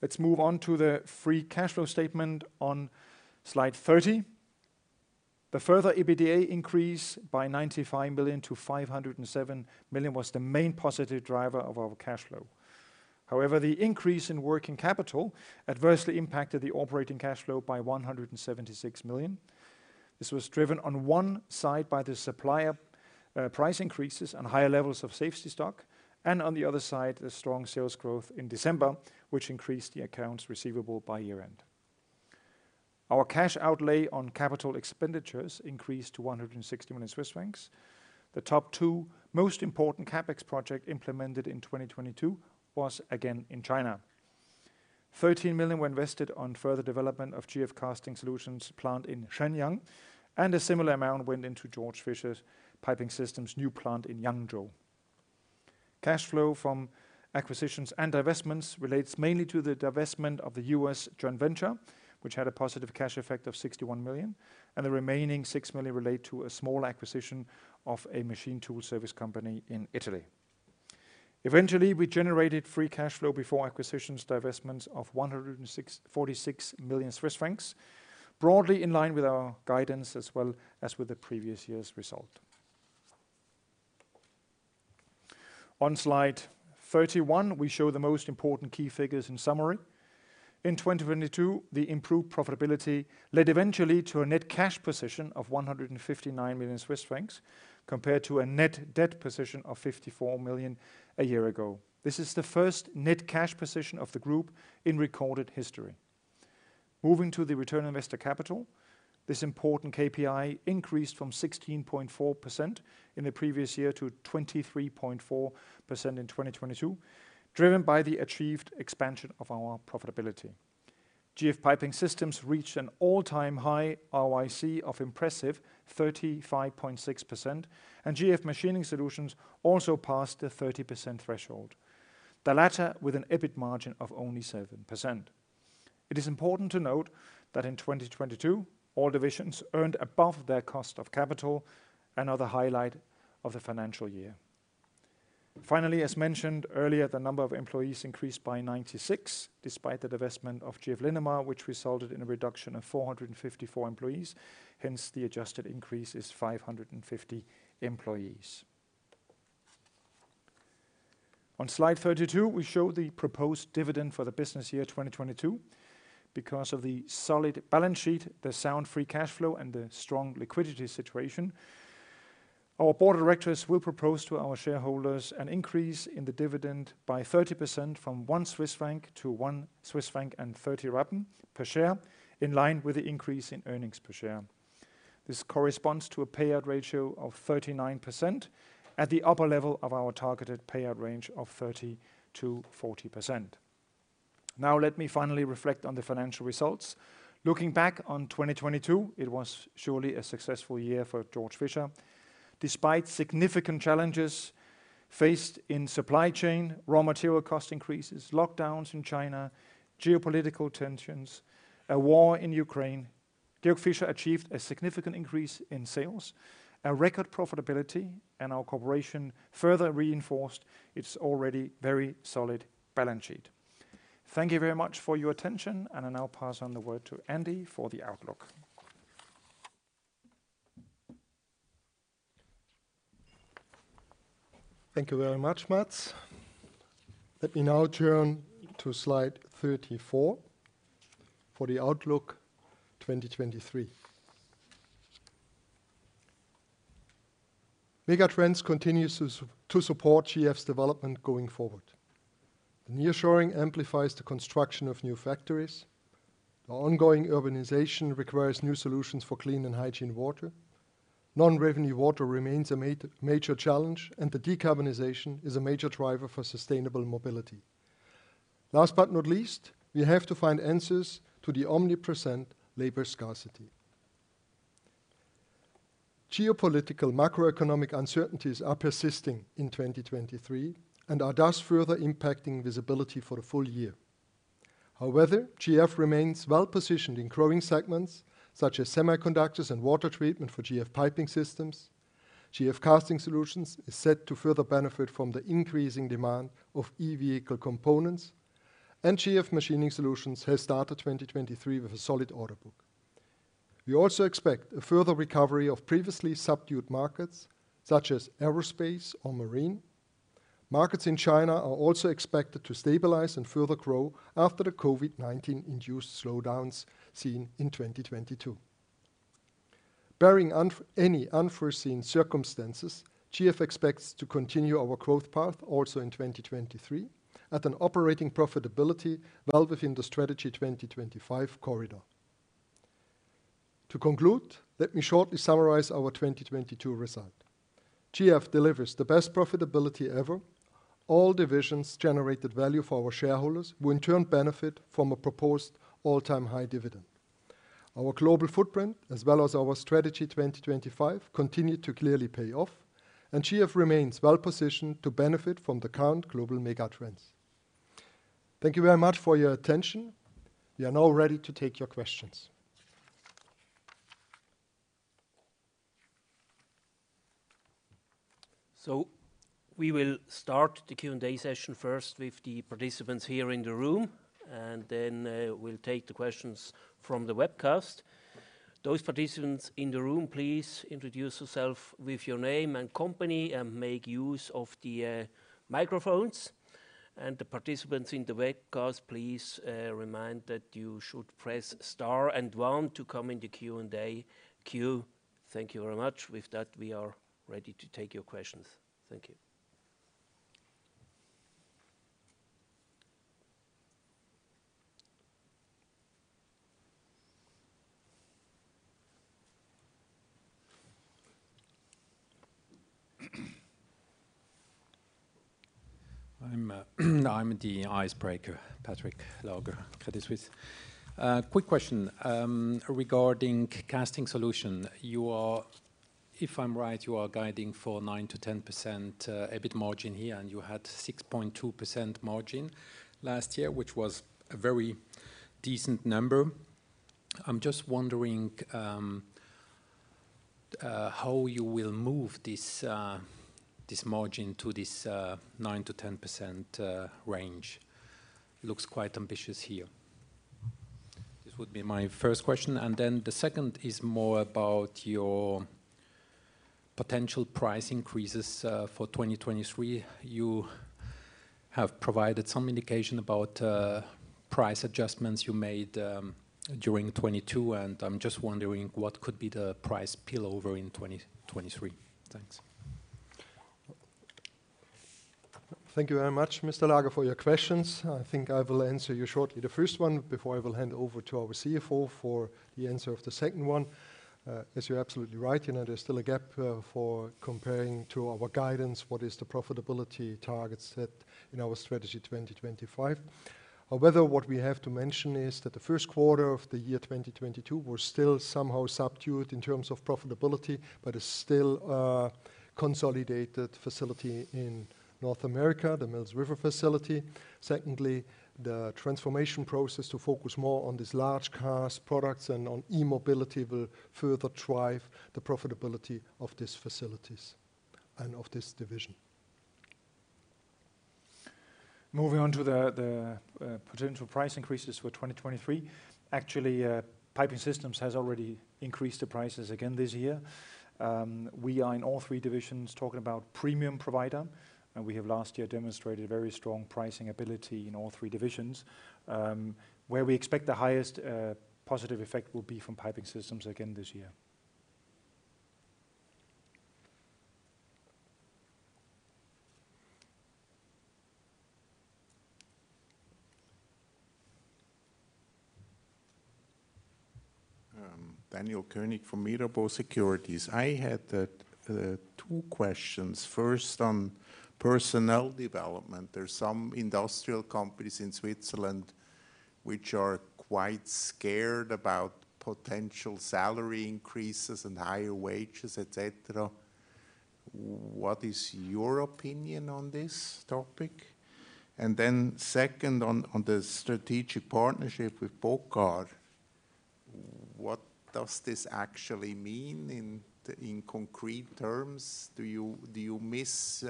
Let's move on to the free cash flow statement on slide 30. The further EBITDA increase by 95 million-507 million was the main positive driver of our cash flow. The increase in working capital adversely impacted the operating cash flow by 176 million. This was driven on one side by the supplier, price increases and higher levels of safety stock, and on the other side, the strong sales growth in December, which increased the accounts receivable by year-end. Our cash outlay on capital expenditures increased to 160 million Swiss francs. The top twomost important CapEx project implemented in 2022 was again in China. 13 million were invested on further development of GF Casting Solutions plant in Shenyang, and a similar amount went into Georg Fischer Piping Systems' new plant in Yangzhou. Cash flow from acquisitions and divestments relates mainly to the divestment of the U.S. joint venture, which had a positive cash effect of 61 million, and the remaining 6 million relate to a small acquisition of a machine tool service company in Italy. We generated free cash flow before acquisitions, divestments of 146 million Swiss francs, broadly in line with our guidance as well as with the previous year's result. On slide 31, we show the most important key figures in summary. In 2022, the improved profitability led eventually to a net cash position of 159 million Swiss francs, compared to a net debt position of 54 million a year ago. This is the first net cash position of the group in recorded history. Moving to the return on investor capital, this important KPI increased from 16.4% in the previous year to 23.4% in 2022, driven by the achieved expansion of our profitability. GF Piping Systems reached an all-time high ROIC of impressive 35.6%, and GF Machining Solutions also passed the 30% threshold, the latter with an EBIT margin of only 7%. It is important to note that in 2022, all divisions earned above their cost of capital, another highlight of the financial year. As mentioned earlier, the number of employees increased by 96, despite the divestment of GF Linamar, which resulted in a reduction of 454 employees. Hence, the adjusted increase is 550 employees. On slide 32, we show the proposed dividend for the business year 2022. Because of the solid balance sheet, the sound free cash flow, and the strong liquidity situation, our board of directors will propose to our shareholders an increase in the dividend by 30% from 1-1.30 Swiss franc per share, in line with the increase in Earnings Per Share. This corresponds to a payout ratio of 39% at the upper level of our targeted payout range of 30%-40%. Let me finally reflect on the financial results. Looking back on 2022, it was surely a successful year for Georg Fischer. Despite significant challenges faced in supply chain, raw material cost increases, lockdowns in China, geopolitical tensions, a war in Ukraine, Georg Fischer achieved a significant increase in sales, a record profitability, and our corporation further reinforced its already very solid balance sheet. Thank you very much for your attention, and I now pass on the word to Andy for the outlook. Thank you very much, Mads. Let me now turn to slide 34 for the outlook 2023. Megatrends continues to support GF's development going forward. The nearshoring amplifies the construction of new factories. The ongoing urbanization requires new solutions for clean and hygiene water. Non-revenue water remains a major challenge, and the decarbonization is a major driver for sustainable mobility. Last but not least, we have to find answers to the omnipresent labor scarcity. Geopolitical macroeconomic uncertainties are persisting in 2023 and are thus further impacting visibility for the full year. However, GF remains well-positioned in growing segments such as semiconductors and water treatment for GF Piping Systems. GF Casting Solutions is set to further benefit from the increasing demand of e-vehicle components, and GF Machining Solutions has started 2023 with a solid order book. We also expect a further recovery of previously subdued markets, such as aerospace or marine. Markets in China are also expected to stabilize and further grow after the COVID-19-induced slowdowns seen in 2022. Barring any unforeseen circumstances, GF expects to continue our growth path also in 2023 at an operating profitability well within the Strategy 2025 corridor. To conclude, let me shortly summarize our 2022 result. GF delivers the best profitability ever. All divisions generated value for our shareholders, who in turn benefit from a proposed all-time high dividend. Our global footprint, as well as our Strategy 2025, continued to clearly pay off, and GF remains well-positioned to benefit from the current global mega trends. Thank you very much for your attention. We are now ready to take your questions. We will start the Q&A session first with the participants here in the room, and then, we'll take the questions from the webcast. Those participants in the room, please introduce yourself with your name and company and make use of the microphones. The participants in the webcast, please remind that you should press star one to come in the Q&A queue. Thank you very much. We are ready to take your questions. Thank you. I'm the icebreaker, Patrick Laager, Credit Suisse. Quick question regarding GF Casting Solutions. You are, if I'm right, you are guiding for 9%-10% EBIT margin here, and you had 6.2% margin last year, which was a very decent number. I'm just wondering how you will move this margin to this 9%-10% range. Looks quite ambitious here. This would be my first question. The second is more about your potential price increases for 2023. You have provided some indication about price adjustments you made during 2022, and I'm just wondering what could be the price spillover in 2023. Thanks. Thank you very much, Mr. Laager, for your questions. I think I will answer you shortly the first one before I will hand over to our CFO for the answer of the second one. Yes, you're absolutely right. You know, there's still a gap for comparing to our guidance, what is the profitability targets set in our Strategy 2025. What we have to mention is that the first quarter of the year 2022 was still somehow subdued in terms of profitability, but is still a consolidated facility in North America, the Mills River facility. The transformation process to focus more on these large cars products and on e-mobility will further drive the profitability of these facilities and of this division. Moving on to the potential price increases for 2023. Actually, Piping Systems has already increased the prices again this year. We are in all three divisions talking about premium provider, and we have last year demonstrated very strong pricing ability in all three divisions, where we expect the highest positive effect will be from Piping Systems again this year. Daniel Koenig from Mirabaud Securities. I had two questions. First, on personnel development. There are some industrial companies in Switzerland which are quite scared about potential salary increases and higher wages, et cetera. What is your opinion on this topic? Second, on the strategic partnership with Bocar Group. What does this actually mean in concrete terms? Do you miss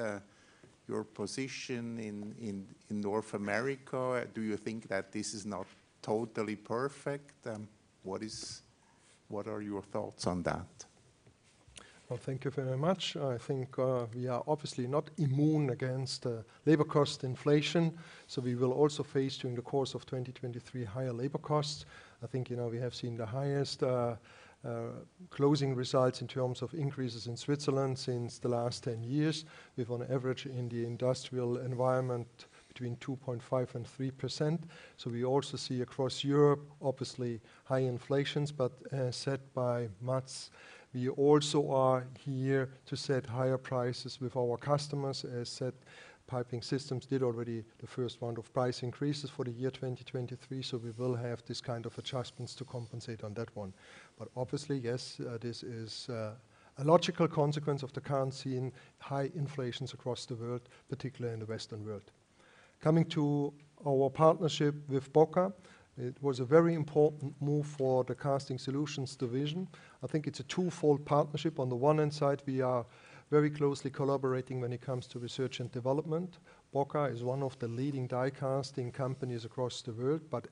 your position in North America? Do you think that this is not totally perfect? What are your thoughts on that? Well, thank you very much. I think, we are obviously not immune against labor cost inflation. We will also face during the course of 2023 higher labor costs. I think, you know, we have seen the highest closing results in terms of increases in Switzerland since the last 10 years. We've on average in the industrial environment between 2.5% and 3%. We also see across Europe, obviously high inflations, but, said by Mads, we also are here to set higher prices with our customers. As said, Piping Systems did already the first round of price increases for the year 2023. We will have this kind of adjustments to compensate on that one. Obviously, yes, this is a logical consequence of the current seen high inflations across the world, particularly in the Western world. Coming to our partnership with Bocar, it was a very important move for the Casting Solutions division. I think it's a twofold partnership. On the one hand side, we are very closely collaborating when it comes to research and development. Bocar is one of the leading die casting companies across the world, but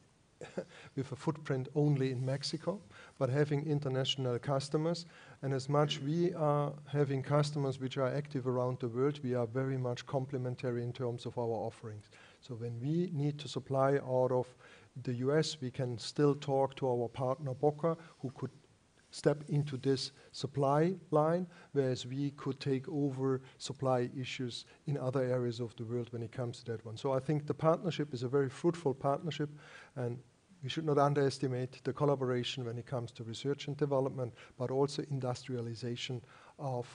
with a footprint only in Mexico, but having international customers. As much we are having customers which are active around the world, we are very much complementary in terms of our offerings. When we need to supply out of the U.S., we can still talk to our partner, Bocar, who could step into this supply line, whereas we could take over supply issues in other areas of the world when it comes to that one. I think the partnership is a very fruitful partnership, and we should not underestimate the collaboration when it comes to research and development, but also industrialization of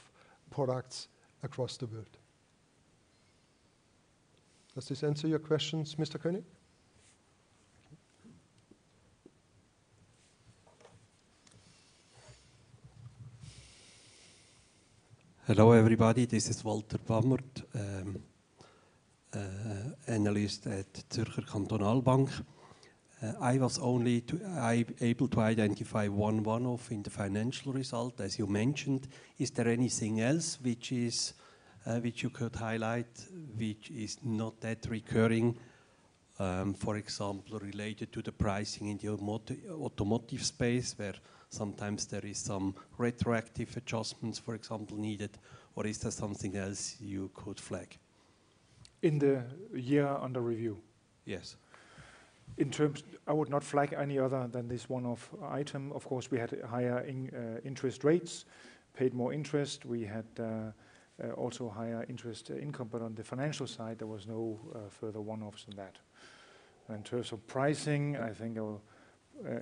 products across the world. Does this answer your questions, Mr. Koenig? Hello, everybody. This is Walter Bamert, analyst at Zürcher Kantonalbank. I was only able to identify one one-off in the financial result, as you mentioned. Is there anything else which is, which you could highlight which is not that recurring, for example, related to the pricing in the automotive space, where sometimes there is some retroactive adjustments, for example, needed, or is there something else you could flag? In the year under review? Yes. I would not flag any other than this one-off item. Of course, we had higher interest rates, paid more interest. We had also higher interest income, but on the financial side, there was no further one-offs than that. In terms of pricing, I think,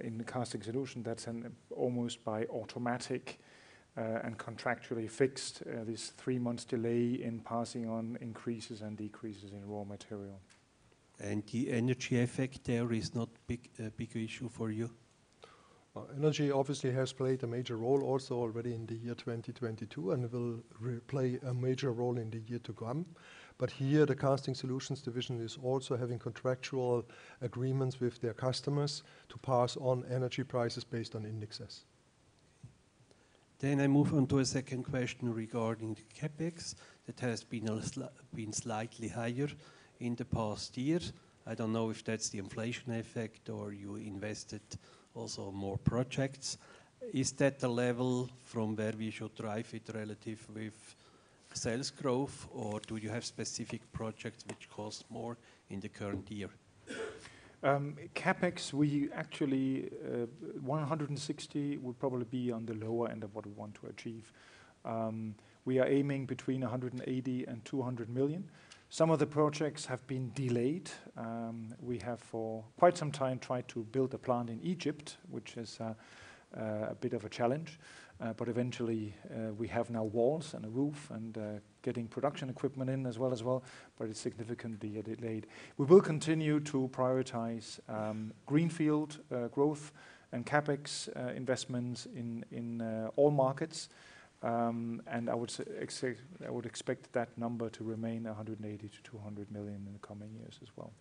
in the Casting Solution, that's an almost by automatic and contractually fixed, this 3 months delay in passing on increases and decreases in raw material. The energy effect there is not big, a bigger issue for you? Energy obviously has played a major role also already in the year 2022 and will re-play a major role in the year to come. Here, the Casting Solutions division is also having contractual agreements with their customers to pass on energy prices based on indexes. I move on to a second question regarding the CapEx that has been slightly higher in the past year. I don't know if that's the inflation effect or you invested also more projects. Is that the level from where we should drive it relative with sales growth, or do you have specific projects which cost more in the current year? CapEx, we actually, 160 million would probably be on the lower end of what we want to achieve. We are aiming between 180 million and 200 million. Some of the projects have been delayed. We have for quite some time tried to build a plant in Egypt, which is a bit of a challenge. But eventually, we have now walls and a roof and getting production equipment in as well, but it's significantly delayed. We will continue to prioritize greenfield growth and CapEx investments in all markets. I would expect that number to remain 180 million-200 million in the coming years as well.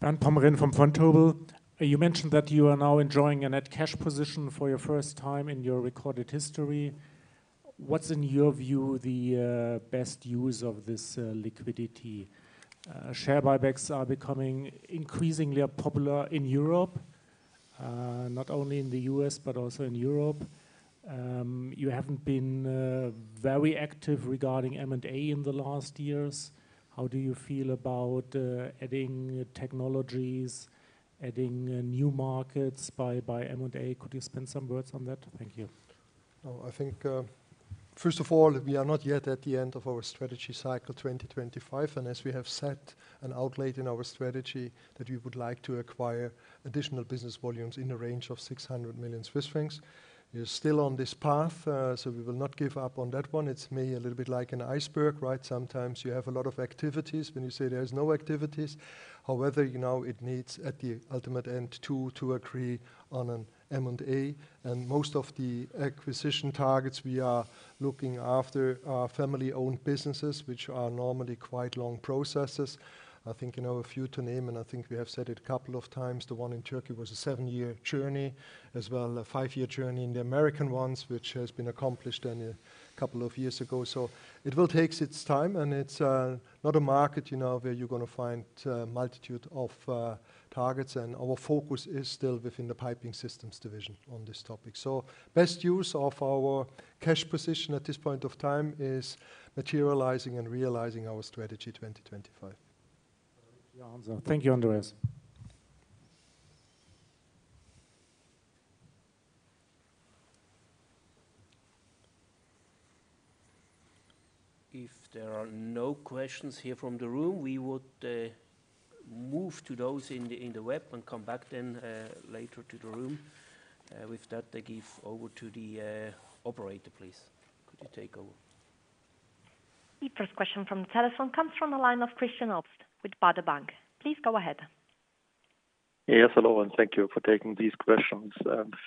Bernd Pomrehn from Vontobel. You mentioned that you are now enjoying a net cash position for your first time in your recorded history. What's, in your view, the best use of this liquidity? Share buybacks are becoming increasingly popular in Europe, not only in the U.S., but also in Europe. You haven't been very active regarding M&A in the last years. How do you feel about adding technologies, adding new markets by M&A? Could you spend some words on that? Thank you. No, I think, first of all, we are not yet at the end of our Strategy 2025. As we have set and outlined in our strategy that we would like to acquire additional business volumes in the range of 600 million Swiss francs, we are still on this path. So we will not give up on that one. It's maybe a little bit like an iceberg, right? Sometimes you have a lot of activities when you say there is no activities. However, you know, it needs, at the ultimate end, to agree on an M&A. Most of the acquisition targets we are looking after are family-owned businesses, which are normally quite long processes. I think you know a few to name. I think we have said it a couple of times. The one in Turkey was a seven-year journey, as well a five-year journey in the American ones, which has been accomplished only a couple of years ago. It will takes its time, and it's not a market, you know, where you're gonna find a multitude of targets. Our focus is still within the Piping Systems division on this topic. Best use of our cash position at this point of time is materializing and realizing our Strategy 2025. Thank you, Andreas. If there are no questions here from the room, we would move to those in the web and come back then later to the room. With that, I give over to the operator, please. Could you take over? The first question from the telephone comes from the line of Christian Obst with Baader Bank. Please go ahead. Yes, hello, and thank you for taking these questions.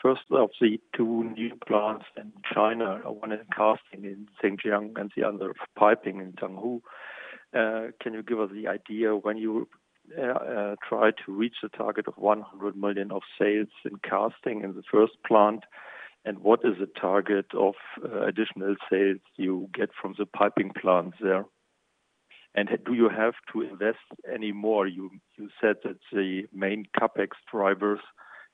First of the two new plants in China, one in casting in Shenyang and the other for piping in Changzhou. Can you give us the idea when you try to reach the target of 100 million of sales in casting in the first plant? What is the target of additional sales you get from the piping plant there? Do you have to invest any more? You said that the main CapEx drivers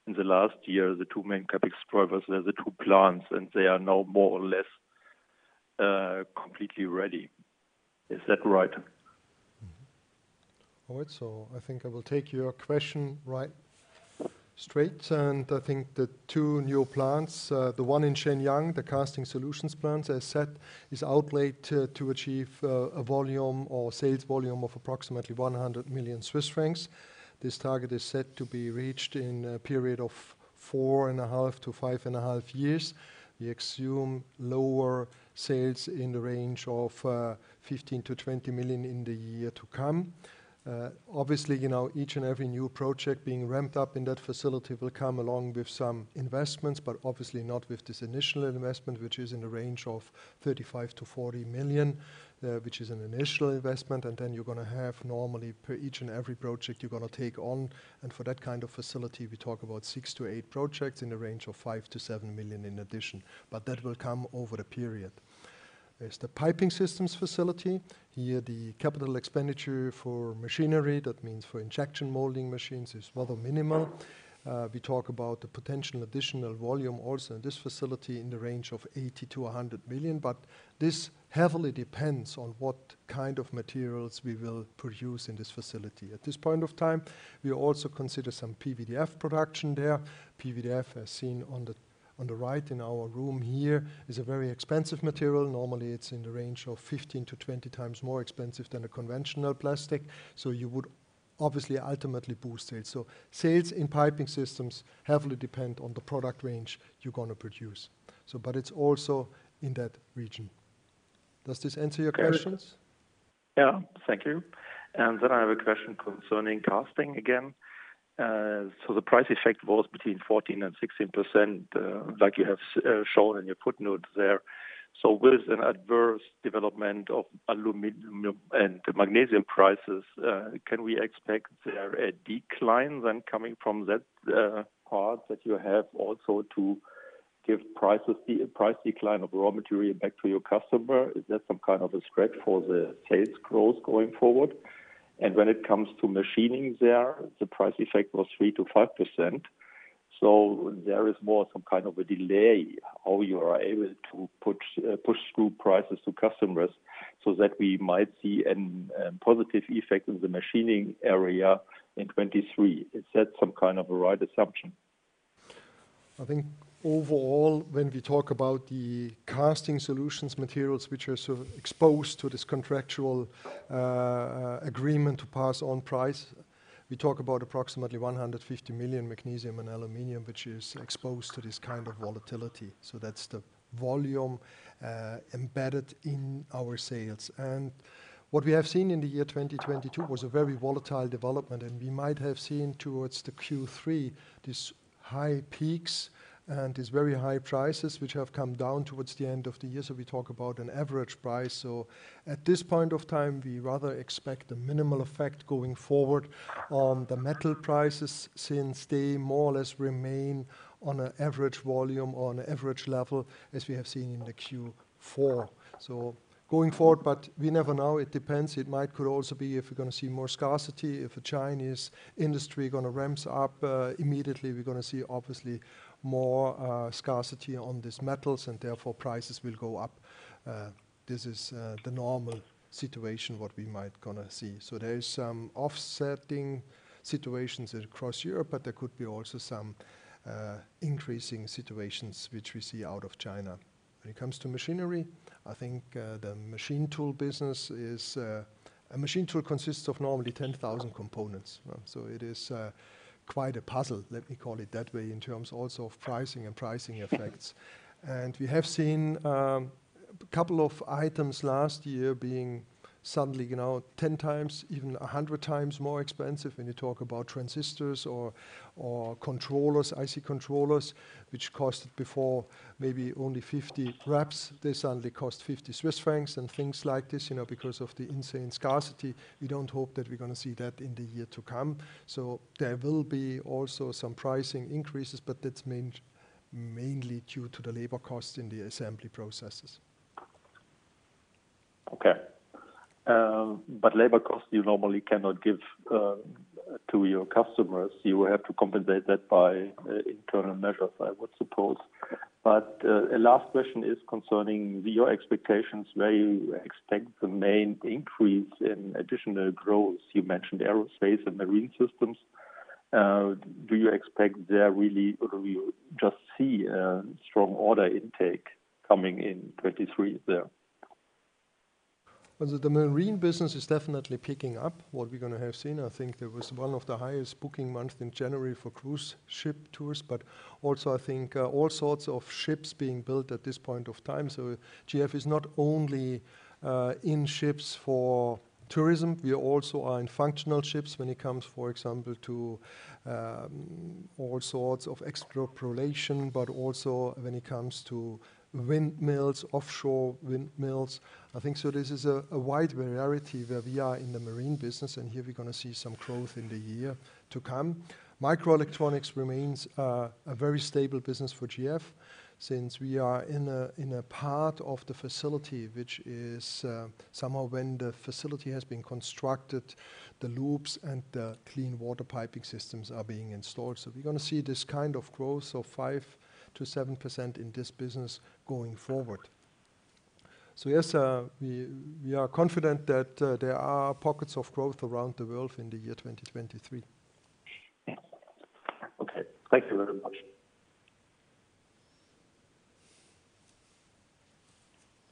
in the last year, the two main CapEx drivers are the two plants, and they are now more or less completely ready. Is that right? All right. I think I will take your question right straight. I think the two new plants, the one in Shenyang, the Casting Solutions plant, as said, is outlaid to achieve a volume or sales volume of approximately 100 million Swiss francs. This target is set to be reached in a period of 4.5-5.5 years. We assume lower sales in the range of 15 million-20 million in the year to come. Obviously, you know, each and every new project being ramped up in that facility will come along with some investments, but obviously not with this initial investment, which is in the range of 35 million-40 million, which is an initial investment. You're gonna have normally per each and every project you're gonna take on. For that kind of facility, we talk about six-eight projects in the range of 5 million-7 million in addition. That will come over a period. There's the Piping Systems facility. Here, the CapEx for machinery, that means for injection molding machines, is rather minimal. We talk about the potential additional volume also in this facility in the range of 80 million-100 million, but this heavily depends on what kind of materials we will produce in this facility. At this point of time, we also consider some PVDF production there. PVDF, as seen on the right in our room here, is a very expensive material. Normally, it's in the range of 15x-20x more expensive than a conventional plastic, so you would obviously ultimately boost sales. Sales in Piping Systems heavily depend on the product range you're gonna produce. It's also in that region. Does this answer your questions? Yeah. Thank you. I have a question concerning casting again. The price effect was between 14% and 16%, like you have shown in your footnote there. With an adverse development of aluminum and magnesium prices, can we expect there a decline then coming from that part that you have also to give prices, the price decline of raw material back to your customer? Is that some kind of a stretch for the sales growth going forward? When it comes to machining there, the price effect was 3%-5%. There is more some kind of a delay how you are able to put, push through prices to customers so that we might see an positive effect in the machining area in 2023. Is that some kind of a right assumption? I think overall, when we talk about the Casting Solutions materials, which are sort of exposed to this contractual agreement to pass on price, we talk about approximately 150 million magnesium and aluminum, which is exposed to this kind of volatility. That's the volume embedded in our sales. What we have seen in the year 2022 was a very volatile development, and we might have seen towards the Q3 these high peaks and these very high prices, which have come down towards the end of the year. We talk about an average price. At this point of time, we rather expect a minimal effect going forward on the metal prices since they more or less remain on a average volume or on a average level as we have seen in the Q4. Going forward, but we never know. It depends. It might could also be if we're gonna see more scarcity. If the Chinese industry gonna ramps up, immediately, we're gonna see obviously more scarcity on these metals, and therefore prices will go up. This is the normal situation, what we might gonna see. There is some offsetting situations across Europe, but there could be also some increasing situations which we see out of China. When it comes to machinery, I think, the machine tool business is. A machine tool consists of normally 10,000 components. It is quite a puzzle, let me call it that way, in order also of pricing and pricing effects. We have seen, couple of items last year being suddenly, you know, 10x, even 100x more expensive when you talk about transistors or controllers, IC controllers, which cost before maybe only 50 rappen. They suddenly cost 50 Swiss francs and things like this, you know, because of the insane scarcity. We don't hope that we're gonna see that in the year to come. There will be also some pricing increases, but that's mainly due to the labor costs in the assembly processes. Okay. Labor costs you normally cannot give, to your customers. You will have to compensate that by internal measures, I would suppose. A last question is concerning your expectations. Where you expect the main increase in additional growth? You mentioned aerospace and marine systems. Do you expect there really or do you just see a strong order intake coming in 2023 there? The marine business is definitely picking up. What we're gonna have seen, I think there was one of the highest booking months in January for cruise ship tours, but also I think, all sorts of ships being built at this point of time. GF is not only in ships for tourism, we also are in functional ships when it comes, for example, to, all sorts of exploration, but also when it comes to windmills, offshore windmills, I think. This is a wide variety where we are in the marine business, and here we're gonna see some growth in the year to come. Microelectronics remains a very stable business for GF since we are in a part of the facility which is somehow when the facility has been constructed, the loops and the clean water Piping Systems are being installed. We're gonna see this kind of growth of 5%-7% in this business going forward. Yes, we are confident that there are pockets of growth around the world in the year 2023. Okay. Thank you very much.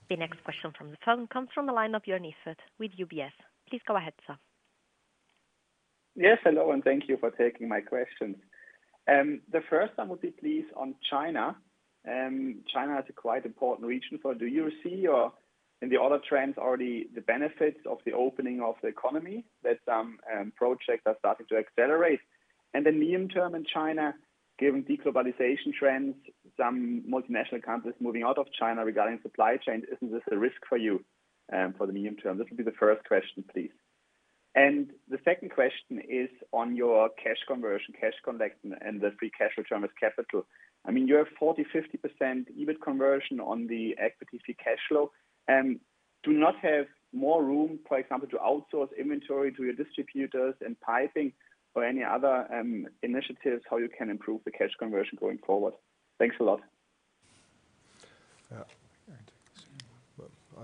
The next question from the phone comes from the line of Jörn Iffert with UBS. Please go ahead, sir. Yes, hello, thank you for taking my questions. The first I would be please on China. China is a quite important region. Do you see or in the other trends already the benefits of the opening of the economy that some projects are starting to accelerate? Medium term in China, given de-globalization trends, some multinational companies moving out of China regarding supply chain, isn't this a risk for you for the medium term? This will be the first question, please. The second question is on your cash conversion, cash collection, and the free cash return as capital. I mean, you have 40%, 50% EBIT conversion on the equity free cash flow. Do you not have more room, for example, to outsource inventory to your distributors and piping or any other initiatives how you can improve the cash conversion going forward? Thanks a lot. Yeah.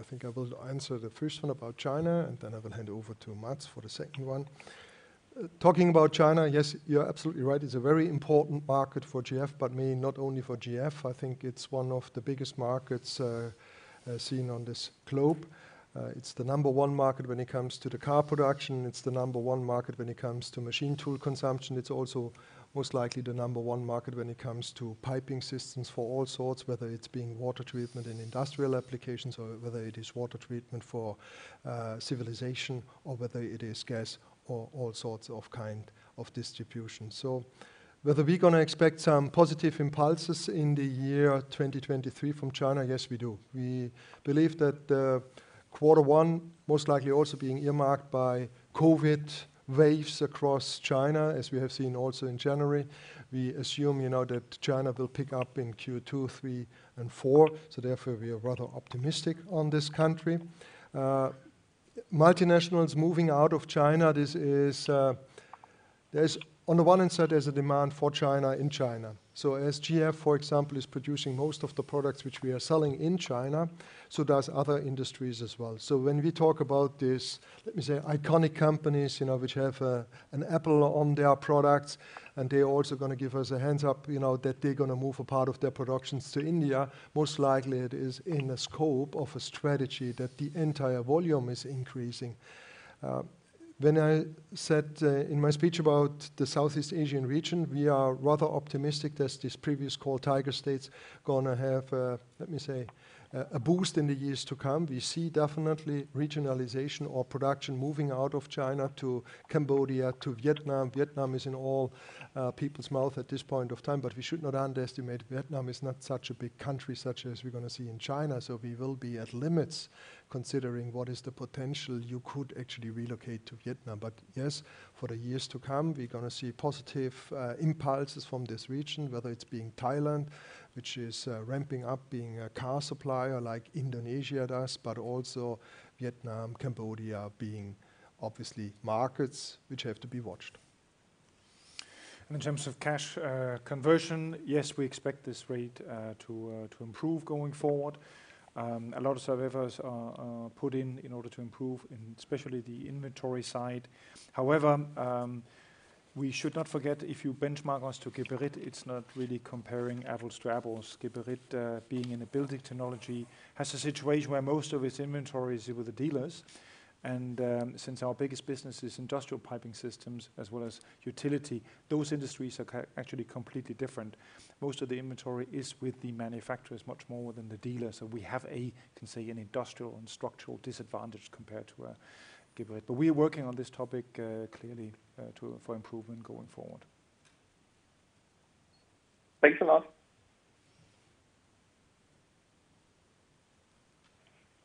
Well, I think I will answer the first one about China, and then I will hand over to Mads for the second one. Talking about China, yes, you're absolutely right. It's a very important market for GF, but I mean not only for GF. I think it's one of the biggest markets, seen on this globe. It's the number one market when it comes to the car production. It's the number one market when it comes to machine tool consumption. It's also most likely the number one market when it comes to Piping Systems for all sorts, whether it's being water treatment in industrial applications or whether it is water treatment for civilization or whether it is gas or all sorts of kind of distribution. Whether we're gonna expect some positive impulses in the year 2023 from China, yes, we do. We believe that Q1 most likely also being earmarked by COVID waves across China, as we have seen also in January. We assume that China will pick up in Q2, Q3, and Q4, therefore we are rather optimistic on this country. Multinationals moving out of China, this is On the one hand side, there's a demand for China in China. As GF, for example, is producing most of the products which we are selling in China, so does other industries as well. When we talk about this iconic companies which have an Apple on their products, and they're also gonna give us a hands up that they're gonna move a part of their productions to India. Most likely it is in the scope of a strategy that the entire volume is increasing. When I said in my speech about the Southeast Asian region, we are rather optimistic that these previous called Tiger States gonna have let me say, a boost in the years to come. We see definitely regionalization or production moving out of China to Cambodia, to Vietnam. Vietnam is in all people's mouth at this point of time, but we should not underestimate Vietnam is not such a big country such as we're gonna see in China. We will be at limits considering what is the potential you could actually relocate to Vietnam. Yes, for the years to come, we're gonna see positive impulses from this region, whether it's being Thailand, which is ramping up being a car supplier like Indonesia does, but also Vietnam, Cambodia being obviously markets which have to be watched. In terms of cash conversion, yes, we expect this rate to improve going forward. A lot of surveys are put in in order to improve in especially the inventory side. However, we should not forget, if you benchmark us to Geberit, it's not really comparing apples to apples. Geberit, being in a building technology, has a situation where most of its inventory is with the dealers. Since our biggest business is industrial Piping Systems as well as utility, those industries are actually completely different. Most of the inventory is with the manufacturers much more than the dealers. We have a, you can say, an industrial and structural disadvantage compared to Geberit. We are working on this topic, clearly, for improvement going forward. Thanks a lot.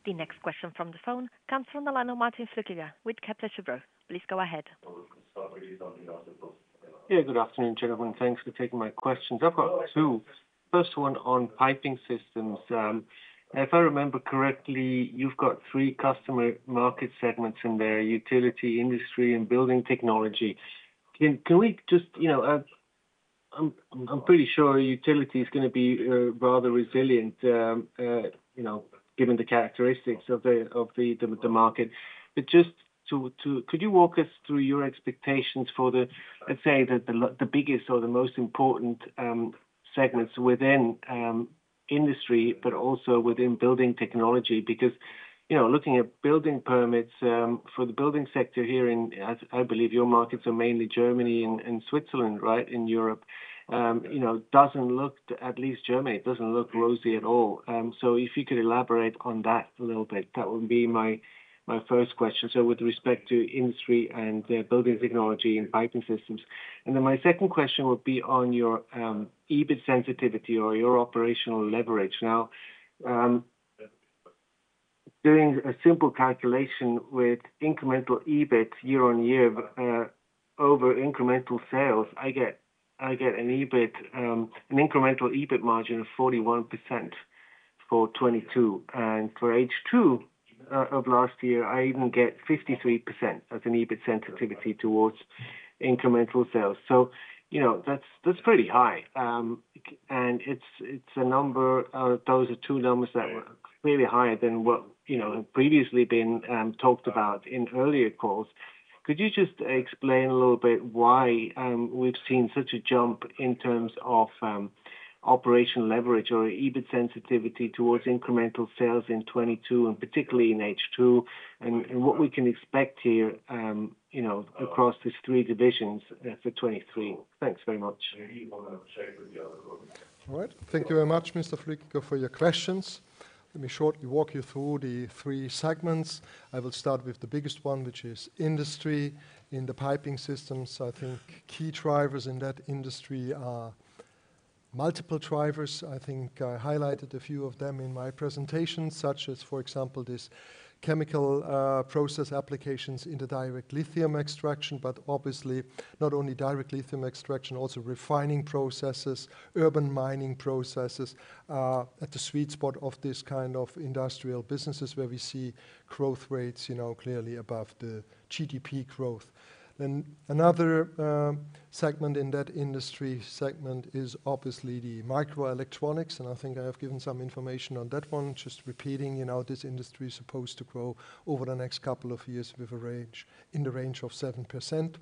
The next question from the phone comes from the line of Martin Flückiger with Kepler Cheuvreux. Please go ahead. Yeah, good afternoon, gentlemen. Thanks for taking my questions. I've got two. First one on Piping Systems. If I remember correctly, you've got three customer market segments in there: utility, industry, and building technology. Can we just, you know, I'm pretty sure utility is gonna be, rather resilient, you know, given the characteristics of the market? Just to could you walk us through your expectations for the, let's say the biggest or the most important segments within industry, but also within building technology? Because, you know, looking at building permits for the building sector here in, I believe your markets are mainly Germany and Switzerland, right, in Europe? You know, doesn't look, at least Germany, it doesn't look rosy at all. If you could elaborate on that a little bit, that would be my first question. With respect to industry and building technology and Piping Systems. My second question would be on your EBIT sensitivity or your operational leverage. Now, doing a simple calculation with incremental EBIT year-on-year over incremental sales, I get an EBIT, an incremental EBIT margin of 41% for 2022. For H2 of last year, I even get 53% as an EBIT sensitivity towards incremental sales. you know, that's pretty high. and it's a number, or those are two numbers that were clearly higher than what, you know, have previously been talked about in earlier calls. Could you just explain a little bit why we've seen such a jump in terms of operational leverage or EBIT sensitivity towards incremental sales in 2022, and particularly in H2, and what we can expect here, you know, across these three divisions for 2023? Thanks very much. All right. Thank you very much, Mr. Flückiger, for your questions. Let me shortly walk you through the three segments. I will start with the biggest one, which is industry. In the Piping Systems, I think key drivers in that industry are multiple drivers. I think I highlighted a few of them in my presentation, such as, for example, this chemical process applications in the direct lithium extraction. Obviously, not only direct lithium extraction, also refining processes, urban mining processes are at the sweet spot of this kind of industrial businesses where we see growth rates, you know, clearly above the GDP growth. Another segment in that industry segment is obviously the microelectronics, and I think I have given some information on that one. Just repeating, you know, this industry is supposed to grow over the next couple of years in the range of 7%.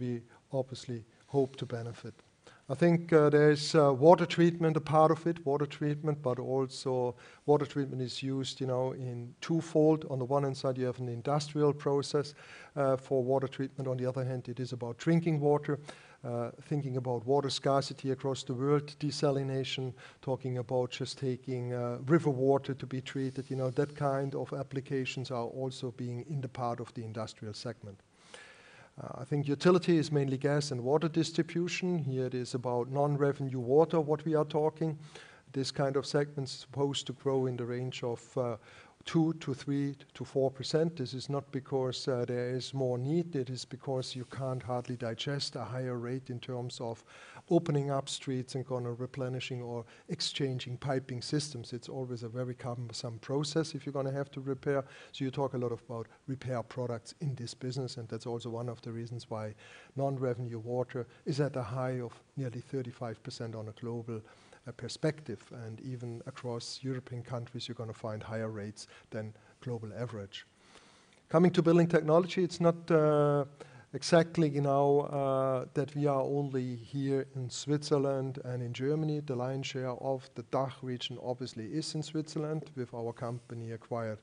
We obviously hope to benefit. I think there is water treatment a part of it. Water treatment. Also water treatment is used, you know, in twofold. On the one hand side, you have an industrial process for water treatment. On the other hand, it is about drinking water, thinking about water scarcity across the world, desalination, talking about just taking river water to be treated. You know, that kind of applications are also being in the part of the industrial segment. I think utility is mainly gas and water distribution. Here it is about non-revenue water, what we are talking. This kind of segment is supposed to grow in the range of, 2% to 3% to 4%. This is not because, there is more need. It is because you can't hardly digest a higher rate in terms of opening up streets and gonna replenishing or exchanging Piping Systems. It's always a very cumbersome process if you're gonna have to repair. You talk a lot about repair products in this business, that's also one of the reasons why non-revenue water is at a high of nearly 35% on a global perspective. Even across European countries, you're gonna find higher rates than global average. Coming to building technology, it's not, exactly, you know, that we are only here in Switzerland and in Germany. The lion's share of the DACH region obviously is in Switzerland, with our company acquired,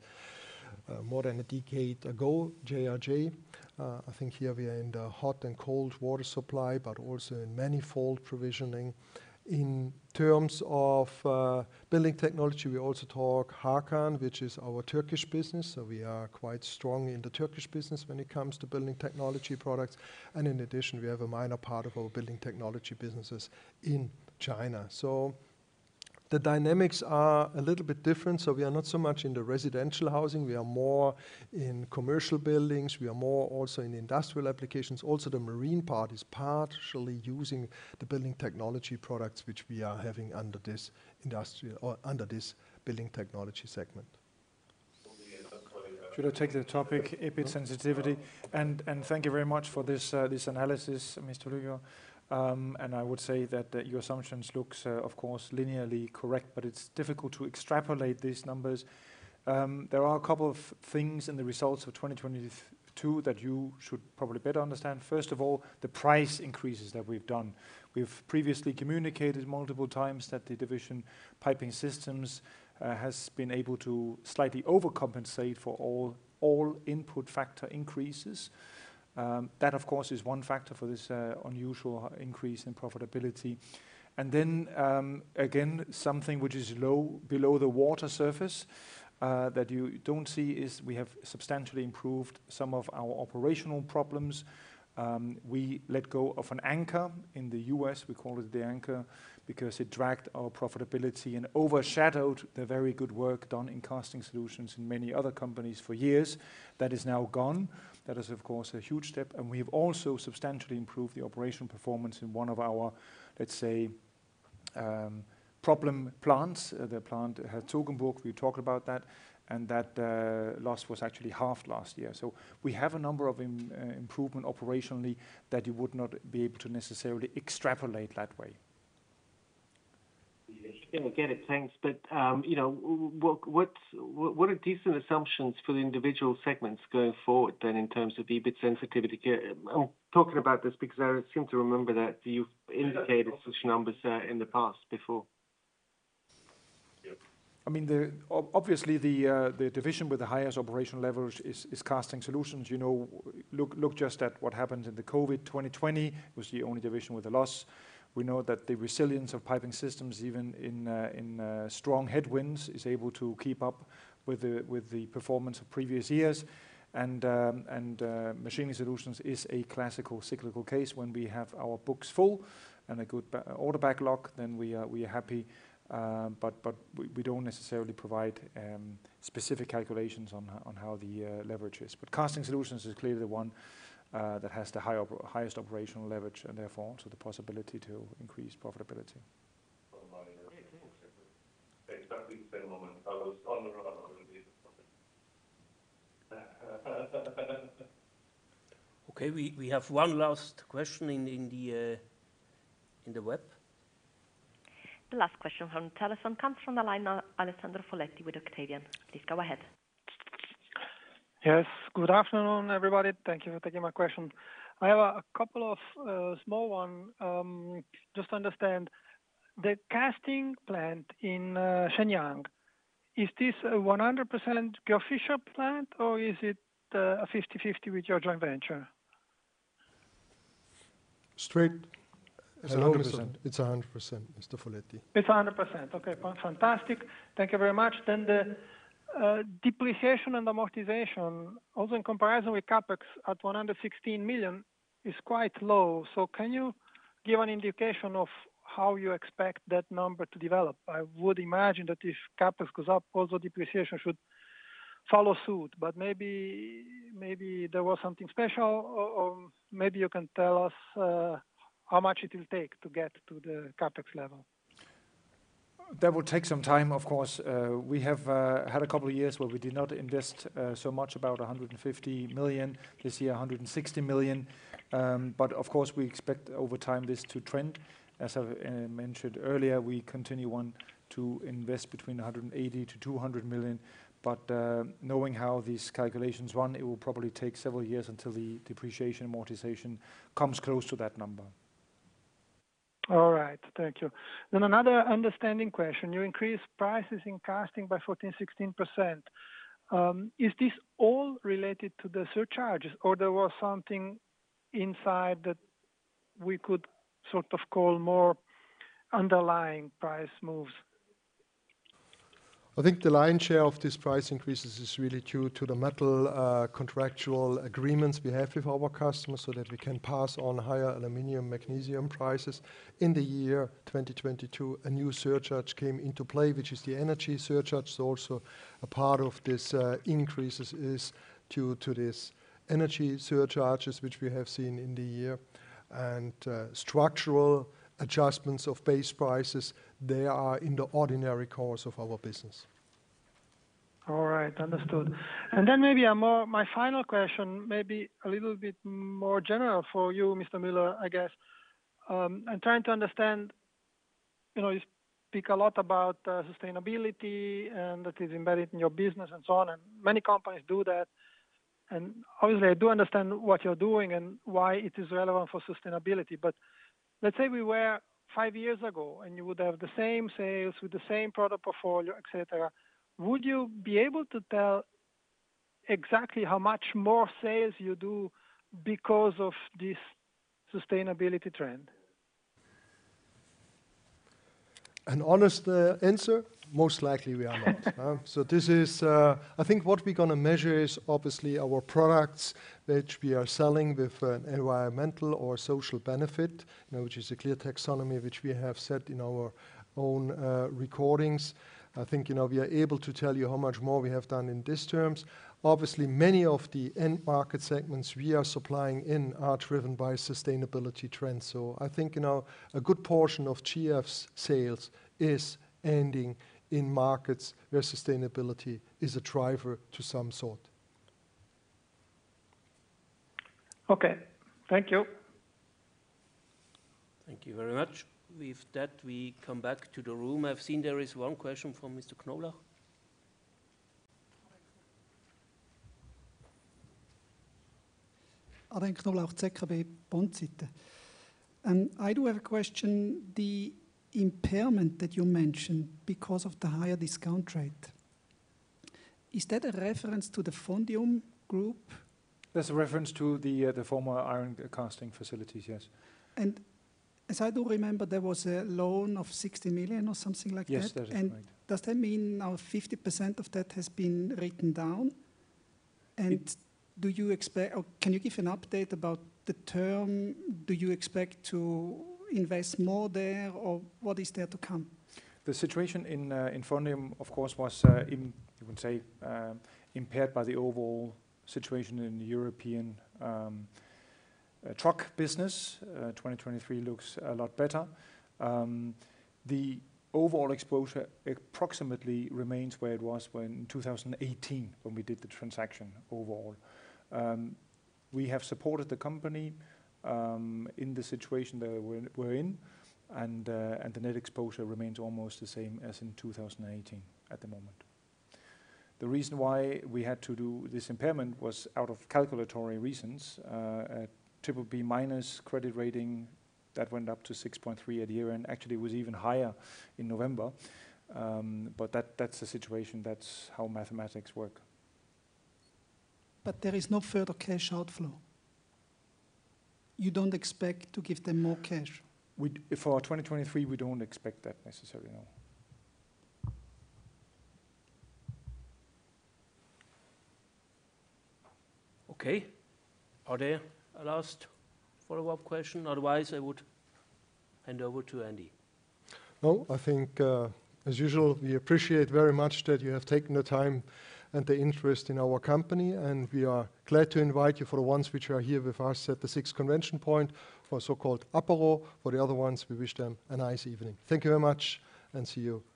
more than a decade ago, JRG. I think here we are in the hot and cold water supply, but also in manifold provisioning. In terms of building technology, we also talk Hakan, which is our Turkish business. We are quite strong in the Turkish business when it comes to building technology products. In addition, we have a minor part of our building technology businesses in China. The dynamics are a little bit different. We are not so much in the residential housing. We are more in commercial buildings. We are more also in industrial applications. Also, the marine part is partially using the building technology products which we are having under this building technology segment. Should I take the topic EBIT sensitivity? Thank you very much for this analysis, Mr. Flückiger. I would say that your assumptions looks, of course, linearly correct, but it's difficult to extrapolate these numbers. There are a couple of things in the results of 2022 that you should probably better understand. First of all, the price increases that we've done. We've previously communicated multiple times that the division Piping Systems has been able to slightly overcompensate for all input factor increases. That of course, is one factor for this unusual increase in profitability. Again, something which is below the water surface that you don't see is we have substantially improved some of our operational problems. We let go of an anchor. In the U.S., we call it the anchor because it dragged our profitability and overshadowed the very good work done in Casting Solutions in many other companies for years. That is now gone. That is, of course, a huge step. We've also substantially improved the operational performance in one of our, let's say, problem plants. The plant at Herzogenburg, we talked about that, and that loss was actually 1/2 last year. We have a number of improvement operationally that you would not be able to necessarily extrapolate that way. Yeah, I get it. Thanks. You know, what are decent assumptions for the individual segments going forward then in terms of EBIT sensitivity? I'm talking about this because I seem to remember that you've indicated such numbers in the past before. Yep. Obviously the division with the highest operational leverage is Casting Solutions. You know, look just at what happened in the COVID, 2020 was the only division with a loss. We know that the resilience of Piping Systems, even in strong headwinds, is able to keep up with the performance of previous years. Machining Solutions is a classical cyclical case. When we have our books full and a good order backlog, then we are happy. But we don't necessarily provide specific calculations on how the leverage is. Casting Solutions is clearly the one that has the highest operational leverage and therefore the possibility to increase profitability. Exactly the same moment I was on the. Okay. We have one last question in the web. The last question from telephone comes from the line. Alessandro Foletti with Octavian. Please go ahead. Yes. Good afternoon, everybody. Thank you for taking my question. I have a couple of small one, just to understand. The casting plant in Shenyang, is this a 100% Georg Fischer plant or is it a 50/50 with your joint venture? Straight. A 100%. It's 100%, Christian Folletti. It's 100%. Okay. Fantastic. Thank you very much. The depreciation and amortization, also in comparison with CapEx at 116 million, is quite low. Can you give an indication of how you expect that number to develop? I would imagine that if CapEx goes up, depreciation should follow suit. Maybe there was something special, or maybe you can tell us how much it will take to get to the CapEx level? That will take some time, of course. We have had a couple of years where we did not invest so much, about 150 million. This year, 160 million. Of course, we expect over time this to trend. As I mentioned earlier, we continue on to invest between 180 million-200 million. Knowing how these calculations run, it will probably take several years until the depreciation amortization comes close to that number. All right. Thank you. Another understanding question. You increase prices in casting by 14%, 16%. Is this all related to the surcharges, or there was something inside that we could sort of call more underlying price moves? I think the lion's share of these price increases is really due to the metal, contractual agreements we have with our customers so that we can pass on higher aluminum, magnesium prices. In the year 2022, a new surcharge came into play, which is the energy surcharge. Also a part of this, increases is due to this energy surcharges, which we have seen in the year. Structural adjustments of base prices, they are in the ordinary course of our business. All right. Understood. Then maybe my final question, maybe a little bit more general for you, Mr. Müller, I guess. I'm trying to understand, you know, you speak a lot about sustainability and that is embedded in your business and so on, and many companies do that. Obviously, I do understand what you're doing and why it is relevant for sustainability. Let's say we were five years ago, and you would have the same sales with the same product portfolio, et cetera. Would you be able to tell exactly how much more sales you do because of this sustainability trend? An honest answer, most likely we are not. I think what we're gonna measure is obviously our products which we are selling with an environmental or social benefit, you know, which is a clear taxonomy, which we have set in our own recordings. I think, you know, we are able to tell you how much more we have done in these terms. Obviously, many of the end market segments we are supplying in are driven by sustainability trends. I think, you know, a good portion of GF's sales is ending in markets where sustainability is a driver to some sort. Okay. Thank you. Thank you very much. With that, we come back to the room. I've seen there is one question from Mr. Kqira. Arben Kqira, ZKB, Bond Side. I do have a question. The impairment that you mentioned because of the higher discount rate, is that a reference to the Fondium Group? That's a reference to the former iron casting facilities, yes. As I do remember, there was a loan of 60 million or something like that. Yes, that is right. Does that mean now 50% of that has been written down? Do you or can you give an update about the term? Do you expect to invest more there, or what is there to come? The situation in Fondium, of course, was, you can say, impaired by the overall situation in the European truck business. 2023 looks a lot better. The overall exposure approximately remains where it was in 2018 when we did the transaction overall. We have supported the company in the situation that we're in, and the net exposure remains almost the same as in 2018 at the moment. The reason why we had to do this impairment was out of calculatory reasons. A BBB- credit rating that went up to 6.3 a year and actually was even higher in November. That's the situation. That's how mathematics work. There is no further cash outflow. You don't expect to give them more cash? For 2023, we don't expect that necessarily, no. Okay. Are there a last follow-up question? Otherwise, I would hand over to Andy. Well, I think, as usual, we appreciate very much that you have taken the time and the interest in our company, and we are glad to invite you for the ones which are here with us at the SIX ConventionPoint for so-called Apéro. For the other ones, we wish them a nice evening. Thank you very much, and see you soon.